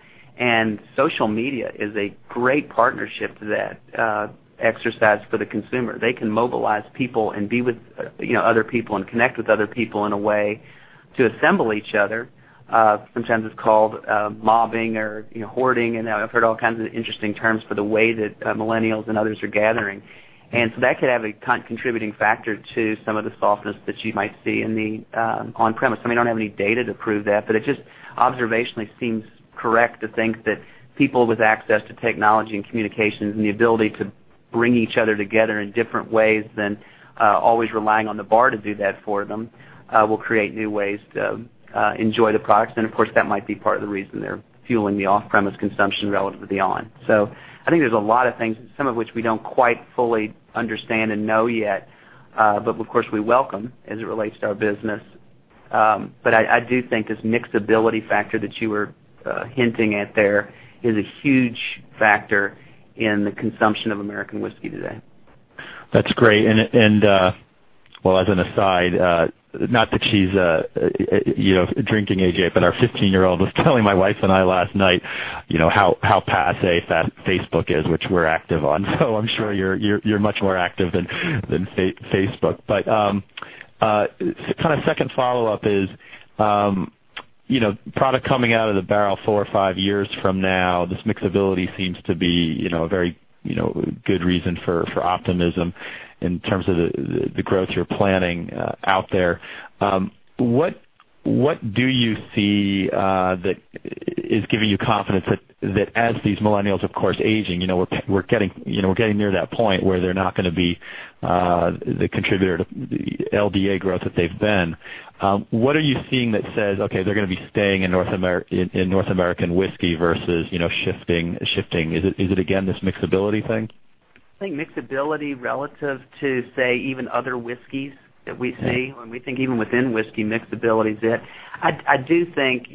Social media is a great partnership to that exercise for the consumer. They can mobilize people and be with other people and connect with other people in a way to assemble each other. Sometimes it's called mobbing or hoarding, and I've heard all kinds of interesting terms for the way that millennials and others are gathering. That could have a contributing factor to some of the softness that you might see in the on-premise. We don't have any data to prove that, it just observationally seems correct to think that people with access to technology and communications and the ability to bring each other together in different ways than always relying on the bar to do that for them, will create new ways to enjoy the products. Of course, that might be part of the reason they're fueling the off-premise consumption relative to the on. I think there's a lot of things, some of which we don't quite fully understand and know yet, of course, we welcome as it relates to our business. I do think this mixability factor that you were hinting at there is a huge factor in the consumption of American whiskey today. Well, as an aside, not that she's drinking age yet, but our 15-year-old was telling my wife and I last night how passe Facebook is, which we're active on. I'm sure you're much more active than Facebook. Kind of second follow-up is product coming out of the barrel four or five years from now, this mixability seems to be a very good reason for optimism in terms of the growth you're planning out there. What do you see that is giving you confidence that as these millennials, of course, aging, we're getting near that point where they're not going to be the contributor to the LDA growth that they've been. What are you seeing that says, "Okay, they're going to be staying in North American whiskey versus shifting?" Is it, again, this mixability thing? I think mixability relative to, say, even other whiskeys that we see, when we think even within whiskey, mixability is it. I do think,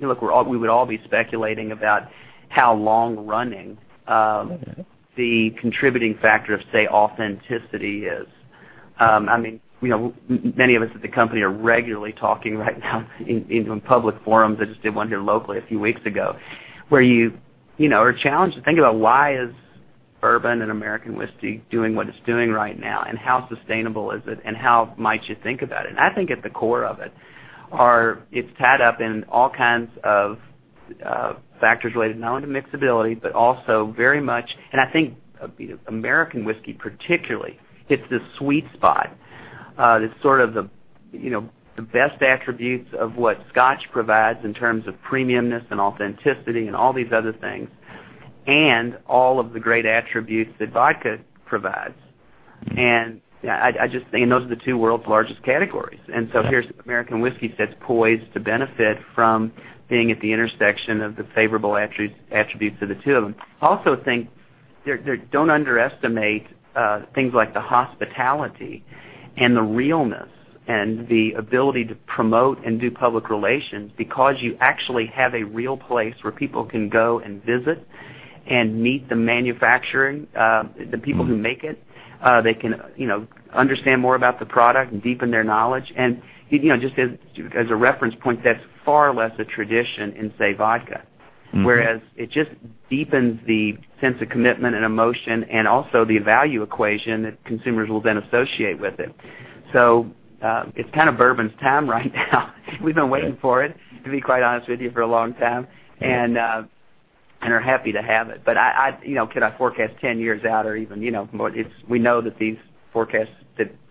look, we would all be speculating about how long running the contributing factor of, say, authenticity is. Many of us at the company are regularly talking right now in public forums, I just did one here locally a few weeks ago, where you are challenged to think about why is bourbon and American whiskey doing what it's doing right now, and how sustainable is it, and how might you think about it? I think at the core of it's tied up in all kinds of factors related not only to mixability, but also very much I think American whiskey particularly, hits this sweet spot. It's sort of the best attributes of what Scotch provides in terms of premiumness and authenticity and all these other things. All of the great attributes that vodka provides. Those are the two world's largest categories. Here's American whiskey that's poised to benefit from being at the intersection of the favorable attributes of the two of them. Also, don't underestimate things like the hospitality and the realness and the ability to promote and do public relations because you actually have a real place where people can go and visit and meet the manufacturing, the people who make it. They can understand more about the product and deepen their knowledge. Just as a reference point, that's far less a tradition in, say, vodka. Whereas it just deepens the sense of commitment and emotion and also the value equation that consumers will then associate with it. It's kind of bourbon's time right now. We've been waiting for it, to be quite honest with you, for a long time, and are happy to have it. Could I forecast 10 years out? We know that these forecasts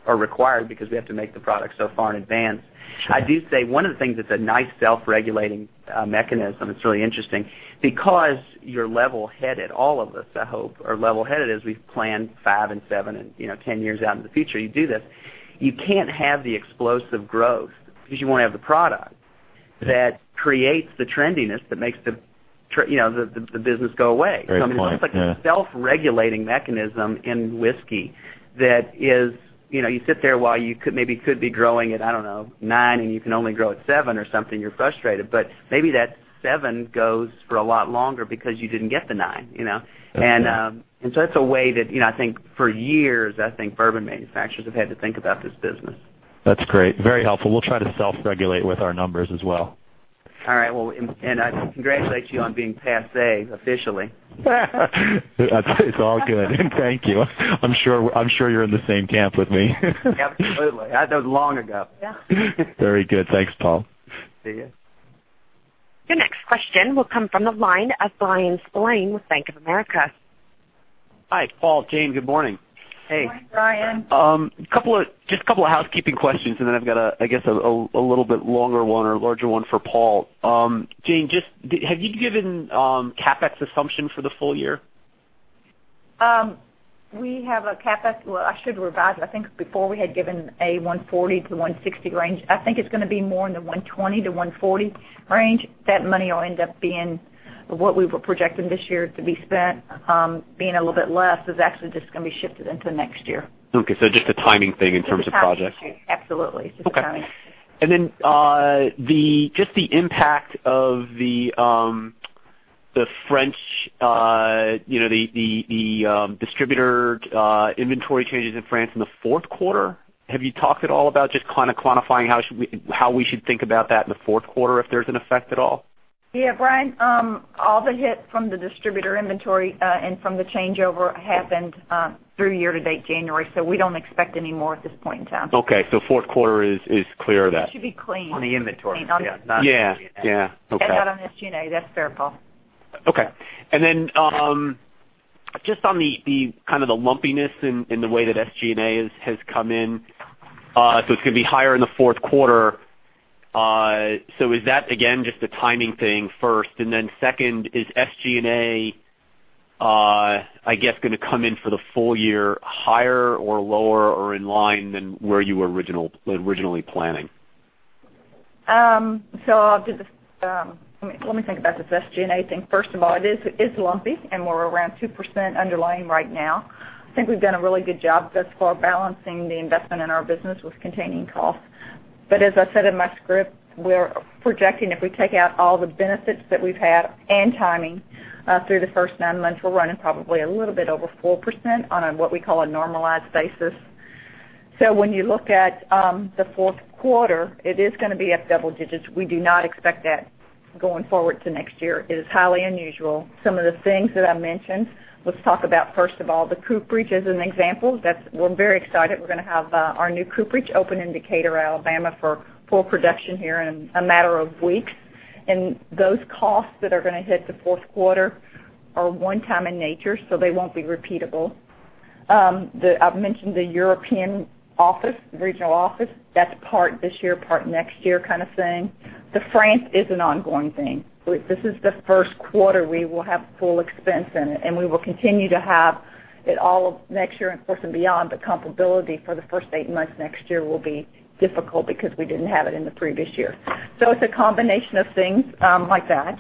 are required because we have to make the product so far in advance. Sure. I do say one of the things that's a nice self-regulating mechanism, it's really interesting, because you're level-headed, all of us, I hope, are level-headed as we plan five and seven and 10 years out into the future. You do this. You can't have the explosive growth because you won't have the product. That creates the trendiness that makes the business go away. Very point. Yeah. It's just like a self-regulating mechanism in whiskey that is, you sit there while you maybe could be growing at, I don't know, nine, and you can only grow at seven or something, you're frustrated. Maybe that seven goes for a lot longer because you didn't get the nine. Okay. That's a way that for years, I think bourbon manufacturers have had to think about this business. That's great. Very helpful. We'll try to self-regulate with our numbers as well. All right. Well, I congratulate you on being passe, officially. It's all good. Thank you. I'm sure you're in the same camp with me. Absolutely. That was long ago. Very good. Thanks, Paul. See you. Your next question will come from the line of Bryan Spillane with Bank of America. Hi, Paul, Jane, good morning. Hey. Good morning, Bryan. Just a couple of housekeeping questions, then I've got, I guess, a little bit longer one or larger one for Paul. Jane, have you given CapEx assumption for the full year? We have a CapEx. Well, I should revise. I think before we had given a $140-$160 range. I think it's going to be more in the $120-$140 range. That money will end up being what we were projecting this year to be spent, being a little bit less, is actually just going to be shifted into next year. Okay, just a timing thing in terms of projects. Absolutely. Just a timing. Okay. Just the impact of the distributor inventory changes in France in the fourth quarter. Have you talked at all about just kind of quantifying how we should think about that in the fourth quarter, if there is an effect at all? Yeah, Bryan, all the hit from the distributor inventory, and from the changeover happened through year to date January, we don't expect any more at this point in time. Okay. The fourth quarter is clear of that. It should be clean. On the inventory. Clean on- Yeah, not on SG&A. Yeah. Okay. Not on SG&A. That's fair, Paul. Okay. Just on the kind of the lumpiness in the way that SG&A has come in. It's going to be higher in the fourth quarter. Is that, again, just a timing thing first, and then second, is SG&A, I guess, going to come in for the full year higher or lower or in line than where you were originally planning? Let me think about this SG&A thing. First of all, it is lumpy, and we're around 2% underlying right now. I think we've done a really good job thus far balancing the investment in our business with containing costs. As I said in my script, we're projecting, if we take out all the benefits that we've had and timing, through the first nine months, we're running probably a little bit over 4% on what we call a normalized basis. When you look at the fourth quarter, it is going to be up double digits. We do not expect that Going forward to next year is highly unusual. Some of the things that I mentioned, let's talk about, first of all, the cooperage as an example. We're very excited. We're going to have our new cooperage open in Decatur, Alabama for full production here in a matter of weeks. Those costs that are going to hit the fourth quarter are one-time in nature, so they won't be repeatable. I've mentioned the European regional office. That's part this year, part next year kind of thing. France is an ongoing thing. This is the first quarter we will have full expense in it, and we will continue to have it all of next year, and of course, and beyond, but comparability for the first 8 months next year will be difficult because we didn't have it in the previous year. It's a combination of things like that.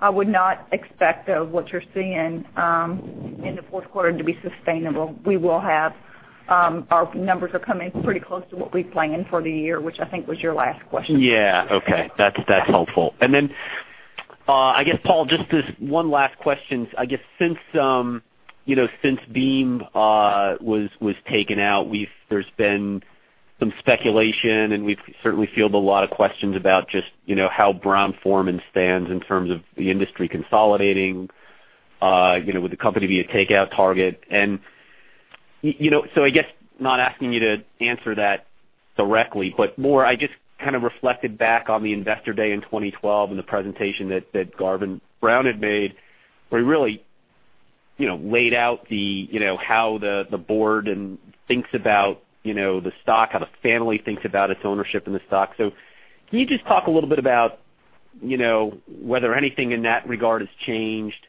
I would not expect of what you're seeing in the fourth quarter to be sustainable. Our numbers are coming pretty close to what we planned for the year, which I think was your last question. Yeah. Okay. That's helpful. Then, I guess, Paul, just this one last question. I guess since Beam was taken out, there's been some speculation, and we've certainly fielded a lot of questions about just how Brown-Forman stands in terms of the industry consolidating, would the company be a takeout target? I guess not asking you to answer that directly, but more, I just kind of reflected back on the investor day in 2012 and the presentation that Garvin Brown had made, where he really laid out how the board thinks about the stock, how the family thinks about its ownership in the stock. Can you just talk a little bit about whether anything in that regard has changed,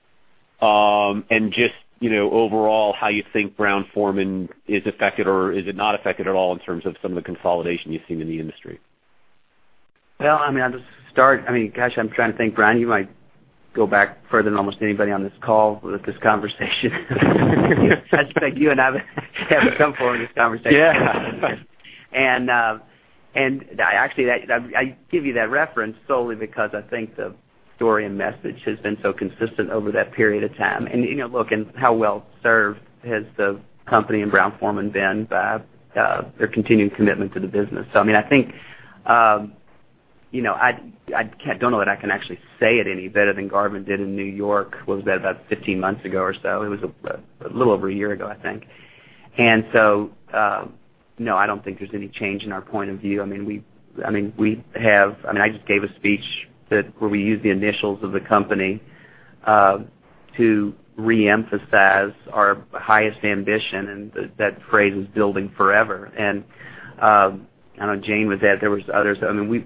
and just overall, how you think Brown-Forman is affected, or is it not affected at all in terms of some of the consolidation you've seen in the industry? Well, I'll just start. Gosh, I'm trying to think, Bryan, you might go back further than almost anybody on this call with this conversation. I think you and I have come forward in this conversation. Yeah. Actually, I give you that reference solely because I think the story and message has been so consistent over that period of time. Look, and how well-served has the company and Brown-Forman been, their continued commitment to the business. I think, I don't know that I can actually say it any better than Garvin did in New York. What was that, about 15 months ago or so? It was a little over a year ago, I think. No, I don't think there's any change in our point of view. I just gave a speech where we used the initials of the company to reemphasize our highest ambition, and that phrase was building forever. I know Jane was at, there was others.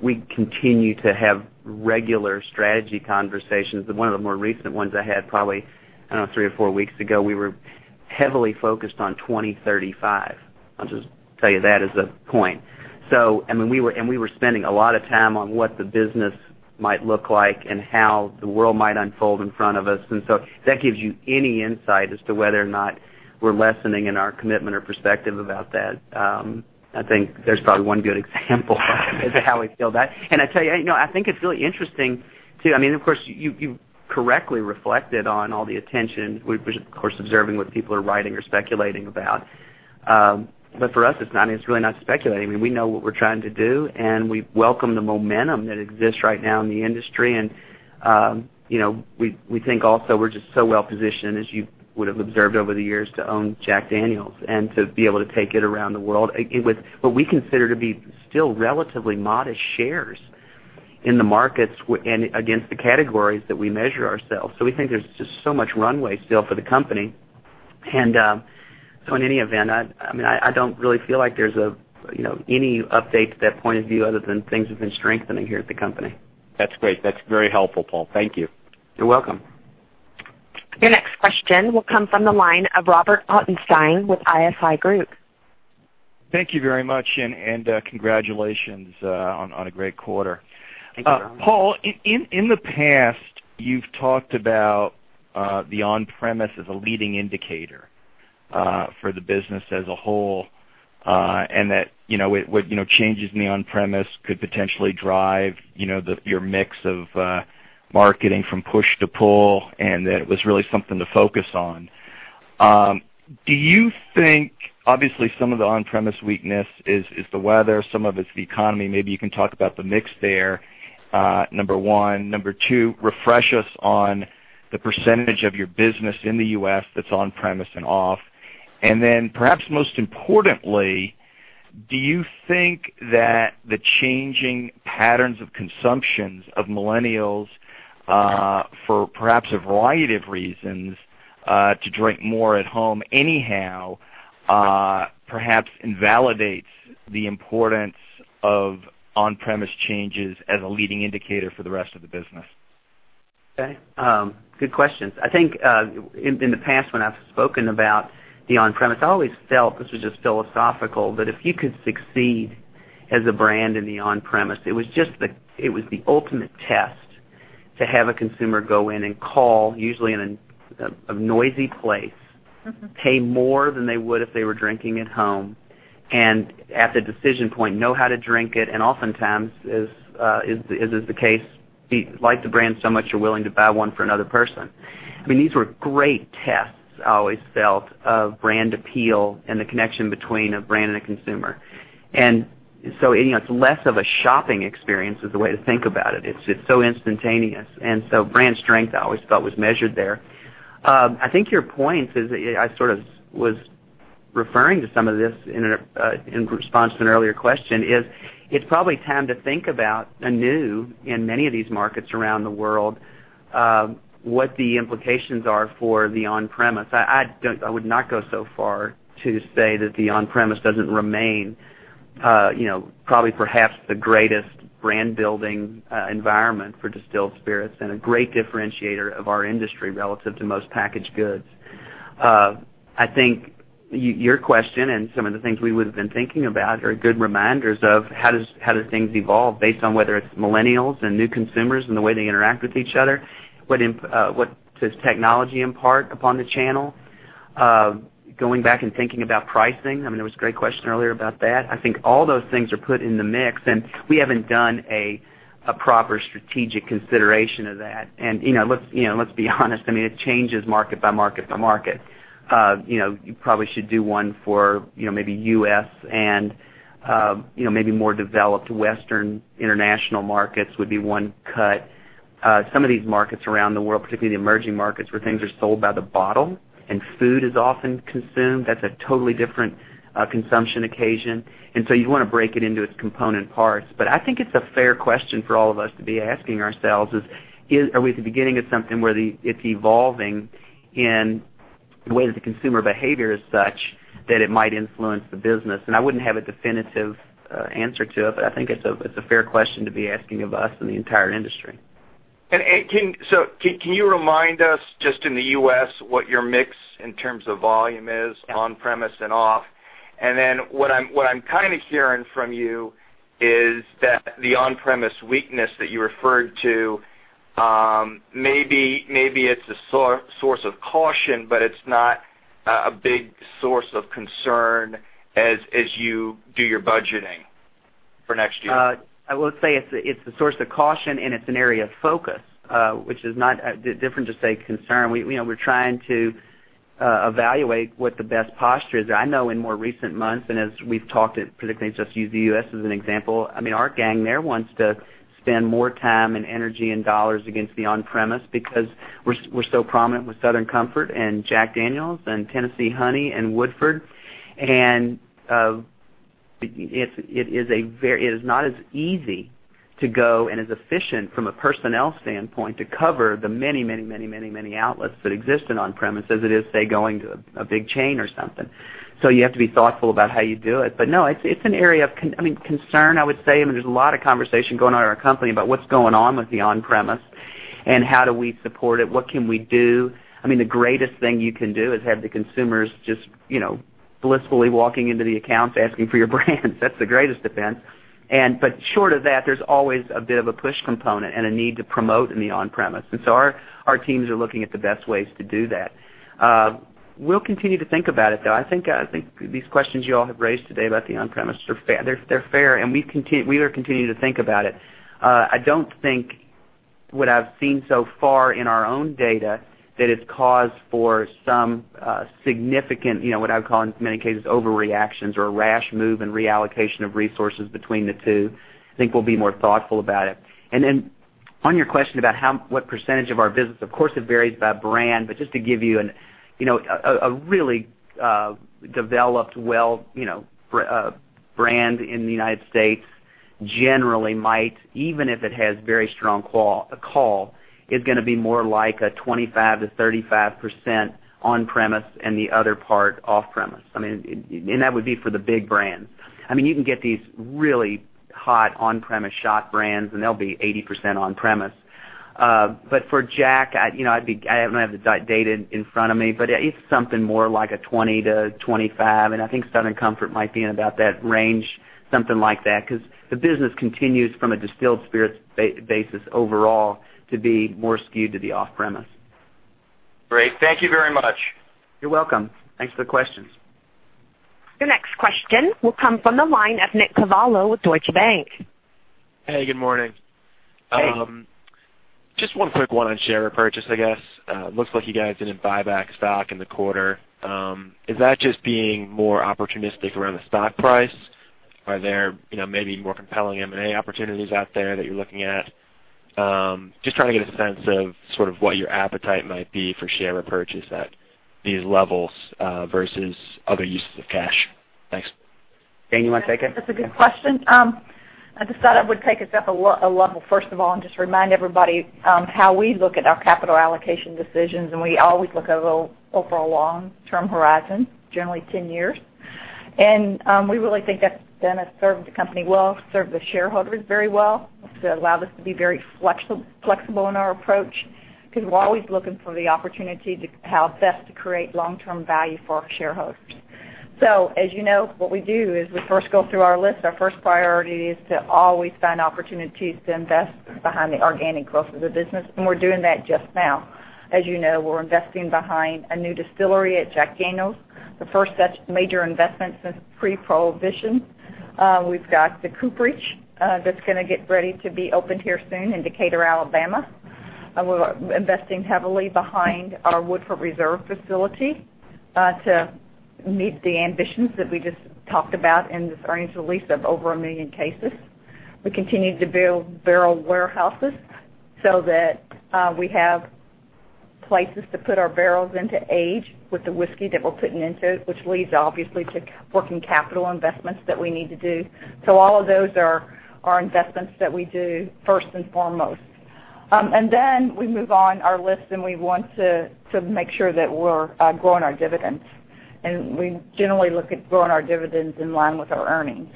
We continue to have regular strategy conversations, one of the more recent ones I had probably, I don't know, three or four weeks ago, we were heavily focused on 2035. I'll just tell you that as a point. We were spending a lot of time on what the business might look like and how the world might unfold in front of us. If that gives you any insight as to whether or not we're lessening in our commitment or perspective about that, I think that's probably one good example as to how we feel that. I tell you, I think it's really interesting, too. Of course, you correctly reflected on all the attention. We're of course observing what people are writing or speculating about. For us, it's really not speculating. We know what we're trying to do, we welcome the momentum that exists right now in the industry. We think also we're just so well-positioned, as you would have observed over the years, to own Jack Daniel's and to be able to take it around the world with what we consider to be still relatively modest shares in the markets and against the categories that we measure ourselves. We think there's just so much runway still for the company. In any event, I don't really feel like there's any update to that point of view other than things have been strengthening here at the company. That's great. That's very helpful, Paul. Thank you. You're welcome. Your next question will come from the line of Robert Ottenstein with ISI Group. Thank you very much. Congratulations on a great quarter. Thank you, Robert. Paul, in the past, you've talked about the on-premise as a leading indicator for the business as a whole, that changes in the on-premise could potentially drive your mix of marketing from push to pull, and that it was really something to focus on. Obviously, some of the on-premise weakness is the weather, some of it's the economy. Maybe you can talk about the mix there, number 1. Number 2, refresh us on the percentage of your business in the U.S. that's on-premise and off. Perhaps most importantly, do you think that the changing patterns of consumption of millennials, for perhaps a variety of reasons, to drink more at home anyhow, perhaps invalidates the importance of on-premise changes as a leading indicator for the rest of the business? Okay. Good questions. I think, in the past, when I've spoken about the on-premise, I always felt, this was just philosophical, that if you could succeed as a brand in the on-premise, it was the ultimate test to have a consumer go in and call, usually in a noisy place, pay more than they would if they were drinking at home, and at the decision point, know how to drink it, and oftentimes, as is the case, you like the brand so much, you're willing to buy one for another person. These were great tests, I always felt, of brand appeal and the connection between a brand and a consumer. It's less of a shopping experience, is the way to think about it. It's so instantaneous. Brand strength, I always felt, was measured there. I think your point is, I sort of was referring to some of this in response to an earlier question, is it's probably time to think about anew in many of these markets around the world, what the implications are for the on-premise. I would not go so far to say that the on-premise doesn't remain probably perhaps the greatest brand-building environment for distilled spirits and a great differentiator of our industry relative to most packaged goods. I think your question and some of the things we would've been thinking about are good reminders of how do things evolve based on whether it's millennials and new consumers and the way they interact with each other, what does technology impart upon the channel? Going back and thinking about pricing, there was a great question earlier about that. I think all those things are put in the mix, we haven't done a proper strategic consideration of that. Let's be honest, it changes market by market by market. You probably should do one for maybe U.S. and maybe more developed Western international markets would be one cut. Some of these markets around the world, particularly the emerging markets where things are sold by the bottle and food is often consumed, that's a totally different consumption occasion. You want to break it into its component parts. I think it's a fair question for all of us to be asking ourselves is, are we at the beginning of something where it's evolving in the way that the consumer behavior is such that it might influence the business? I wouldn't have a definitive answer to it, but I think it's a fair question to be asking of us and the entire industry. Can you remind us just in the U.S. what your mix in terms of volume is on-premise and off? What I'm kind of hearing from you is that the on-premise weakness that you referred to, maybe it's a source of caution, but it's not a big source of concern as you do your budgeting for next year. I will say it's a source of caution, and it's an area of focus, which is not different to, say, concern. We're trying to evaluate what the best posture is. I know in more recent months, as we've talked, particularly just use the U.S. as an example, our gang there wants to spend more time and energy and dollars against the on-premise because we're so prominent with Southern Comfort and Jack Daniel's and Tennessee Honey and Woodford. It is not as easy to go and as efficient from a personnel standpoint to cover the many outlets that exist in on-premise as it is, say, going to a big chain or something. You have to be thoughtful about how you do it. No, it's an area of concern, I would say. There's a lot of conversation going on in our company about what's going on with the on-premise and how do we support it, what can we do. The greatest thing you can do is have the consumers just blissfully walking into the accounts, asking for your brands. That's the greatest event. Short of that, there's always a bit of a push component and a need to promote in the on-premise. Our teams are looking at the best ways to do that. We'll continue to think about it, though. I think these questions you all have raised today about the on-premise, they're fair, and we are continuing to think about it. I don't think what I've seen so far in our own data that it's cause for some significant, what I would call in many cases, overreactions or a rash move and reallocation of resources between the two. I think we'll be more thoughtful about it. On your question about what percentage of our business, of course, it varies by brand, but just to give you a really developed, well brand in the U.S. generally might, even if it has very strong call, is going to be more like a 25%-35% on-premise and the other part off-premise. That would be for the big brands. You can get these really hot on-premise shop brands, and they'll be 80% on-premise. For Jack, I don't have the data in front of me, but it's something more like a 20%-25%, and I think Southern Comfort might be in about that range, something like that, because the business continues from a distilled spirits basis overall to be more skewed to the off-premise. Great. Thank you very much. You're welcome. Thanks for the questions. Your next question will come from the line of Nicholas Cavallo with Deutsche Bank. Hey, good morning. Hey. Just one quick one on share repurchase, I guess. Looks like you guys didn't buy back stock in the quarter. Is that just being more opportunistic around the stock price? Are there maybe more compelling M&A opportunities out there that you're looking at? Just trying to get a sense of sort of what your appetite might be for share repurchase at these levels versus other uses of cash. Thanks. Jane, you want to take it? That's a good question. I just thought I would take us up a level, first of all, and just remind everybody how we look at our capital allocation decisions. We always look over a long-term horizon, generally 10 years. We really think that's served the company well, served the shareholders very well. It's allowed us to be very flexible in our approach because we're always looking for the opportunity to how best to create long-term value for our shareholders. As you know, what we do is we first go through our list. Our first priority is to always find opportunities to invest behind the organic growth of the business, and we're doing that just now. As you know, we're investing behind a new distillery at Jack Daniel's, the first such major investment since pre-Prohibition. We've got the cooperage that's going to get ready to be opened here soon in Decatur, Alabama. We're investing heavily behind our Woodford Reserve facility to meet the ambitions that we just talked about in this range release of over a million cases. We continue to build barrel warehouses so that we have places to put our barrels into age with the whiskey that we're putting into it, which leads obviously to working capital investments that we need to do. All of those are investments that we do first and foremost. Then we move on our list, and we want to make sure that we're growing our dividends. We generally look at growing our dividends in line with our earnings.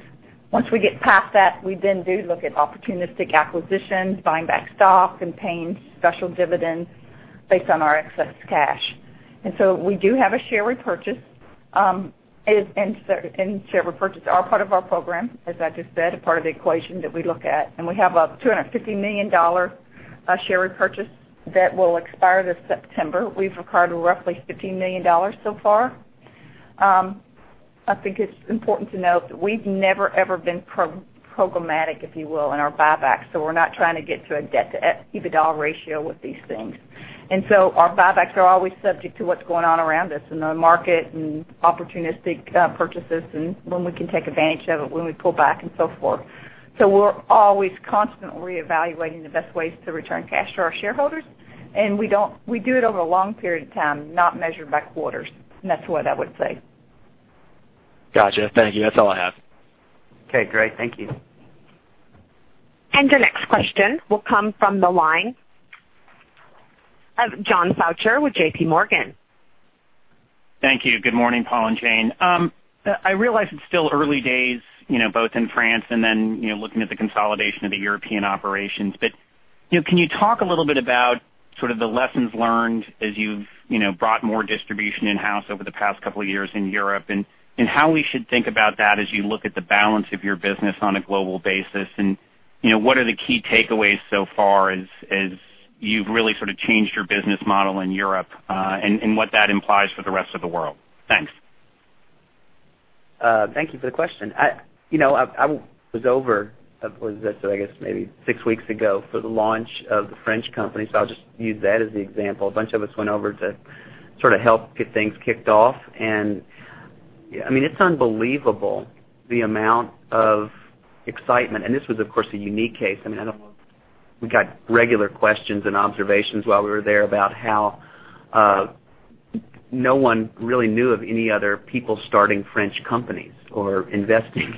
Once we get past that, we then do look at opportunistic acquisitions, buying back stock, and paying special dividends based on our excess cash. We do have a share repurchase, and share repurchase are part of our program, as I just said, a part of the equation that we look at. We have a $250 million share repurchase that will expire this September. We've acquired roughly $15 million so far. I think it's important to note that we've never, ever been programmatic, if you will, in our buybacks, so we're not trying to get to a debt-to-EBITDA ratio with these things. Our buybacks are always subject to what's going on around us in the market and opportunistic purchases and when we can take advantage of it, when we pull back and so forth. We're always constantly evaluating the best ways to return cash to our shareholders. We do it over a long period of time, not measured by quarters. That's what I would say. Got you. Thank you. That's all I have. Okay, great. Thank you. The next question will come from the line of John Faucher with JPMorgan. Thank you. Good morning, Paul and Jane. I realize it's still early days, both in France and then looking at the consolidation of the European operations. Can you talk a little bit about sort of the lessons learned as you've brought more distribution in-house over the past couple of years in Europe? How we should think about that as you look at the balance of your business on a global basis? What are the key takeaways so far as you've really sort of changed your business model in Europe, and what that implies for the rest of the world? Thanks. Thank you for the question. I was over, what is this? I guess maybe six weeks ago for the launch of the French company, so I'll just use that as the example. A bunch of us went over to sort of help get things kicked off. It's unbelievable the amount of excitement. This was, of course, a unique case. We got regular questions and observations while we were there about how no one really knew of any other people starting French companies or investing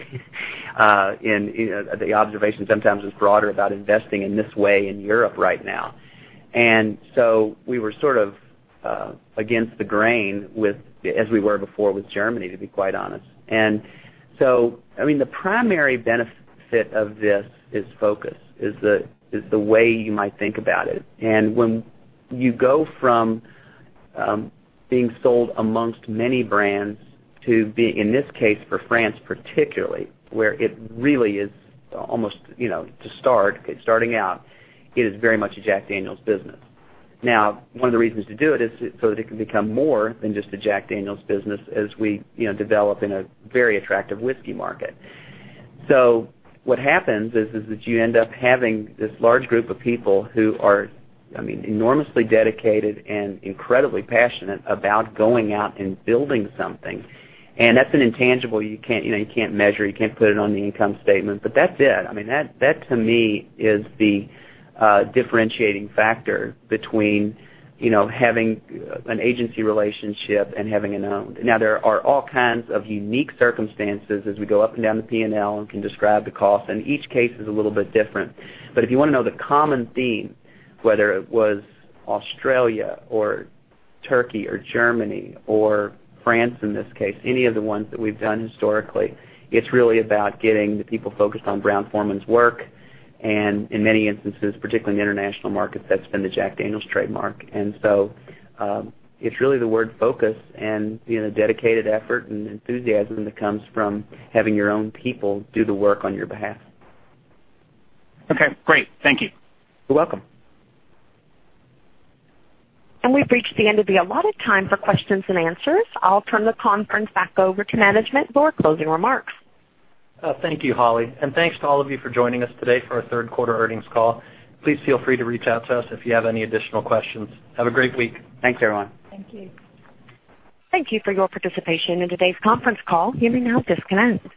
in. The observation sometimes was broader about investing in this way in Europe right now. We were sort of against the grain with, as we were before with Germany, to be quite honest. The primary benefit of this is focus, is the way you might think about it. When you go from being sold amongst many brands to being, in this case, for France particularly, where it really is almost to start, starting out, it is very much a Jack Daniel's business. One of the reasons to do it is so that it can become more than just a Jack Daniel's business as we develop in a very attractive whiskey market. What happens is that you end up having this large group of people who are enormously dedicated and incredibly passionate about going out and building something. That's an intangible you can't measure, you can't put it on the income statement, but that's it. That to me is the differentiating factor between having an agency relationship and having it owned. There are all kinds of unique circumstances as we go up and down the P&L and can describe the cost, and each case is a little bit different. If you want to know the common theme, whether it was Australia or Turkey or Germany or France in this case, any of the ones that we've done historically, it's really about getting the people focused on Brown-Forman's work. In many instances, particularly in the international market, that's been the Jack Daniel's trademark. It's really the word focus and dedicated effort and enthusiasm that comes from having your own people do the work on your behalf. Okay, great. Thank you. You're welcome. We've reached the end of the allotted time for questions and answers. I'll turn the conference back over to management for closing remarks. Thank you, Holly. Thanks to all of you for joining us today for our third quarter earnings call. Please feel free to reach out to us if you have any additional questions. Have a great week. Thanks, everyone. Thank you. Thank you for your participation in today's conference call. You may now disconnect.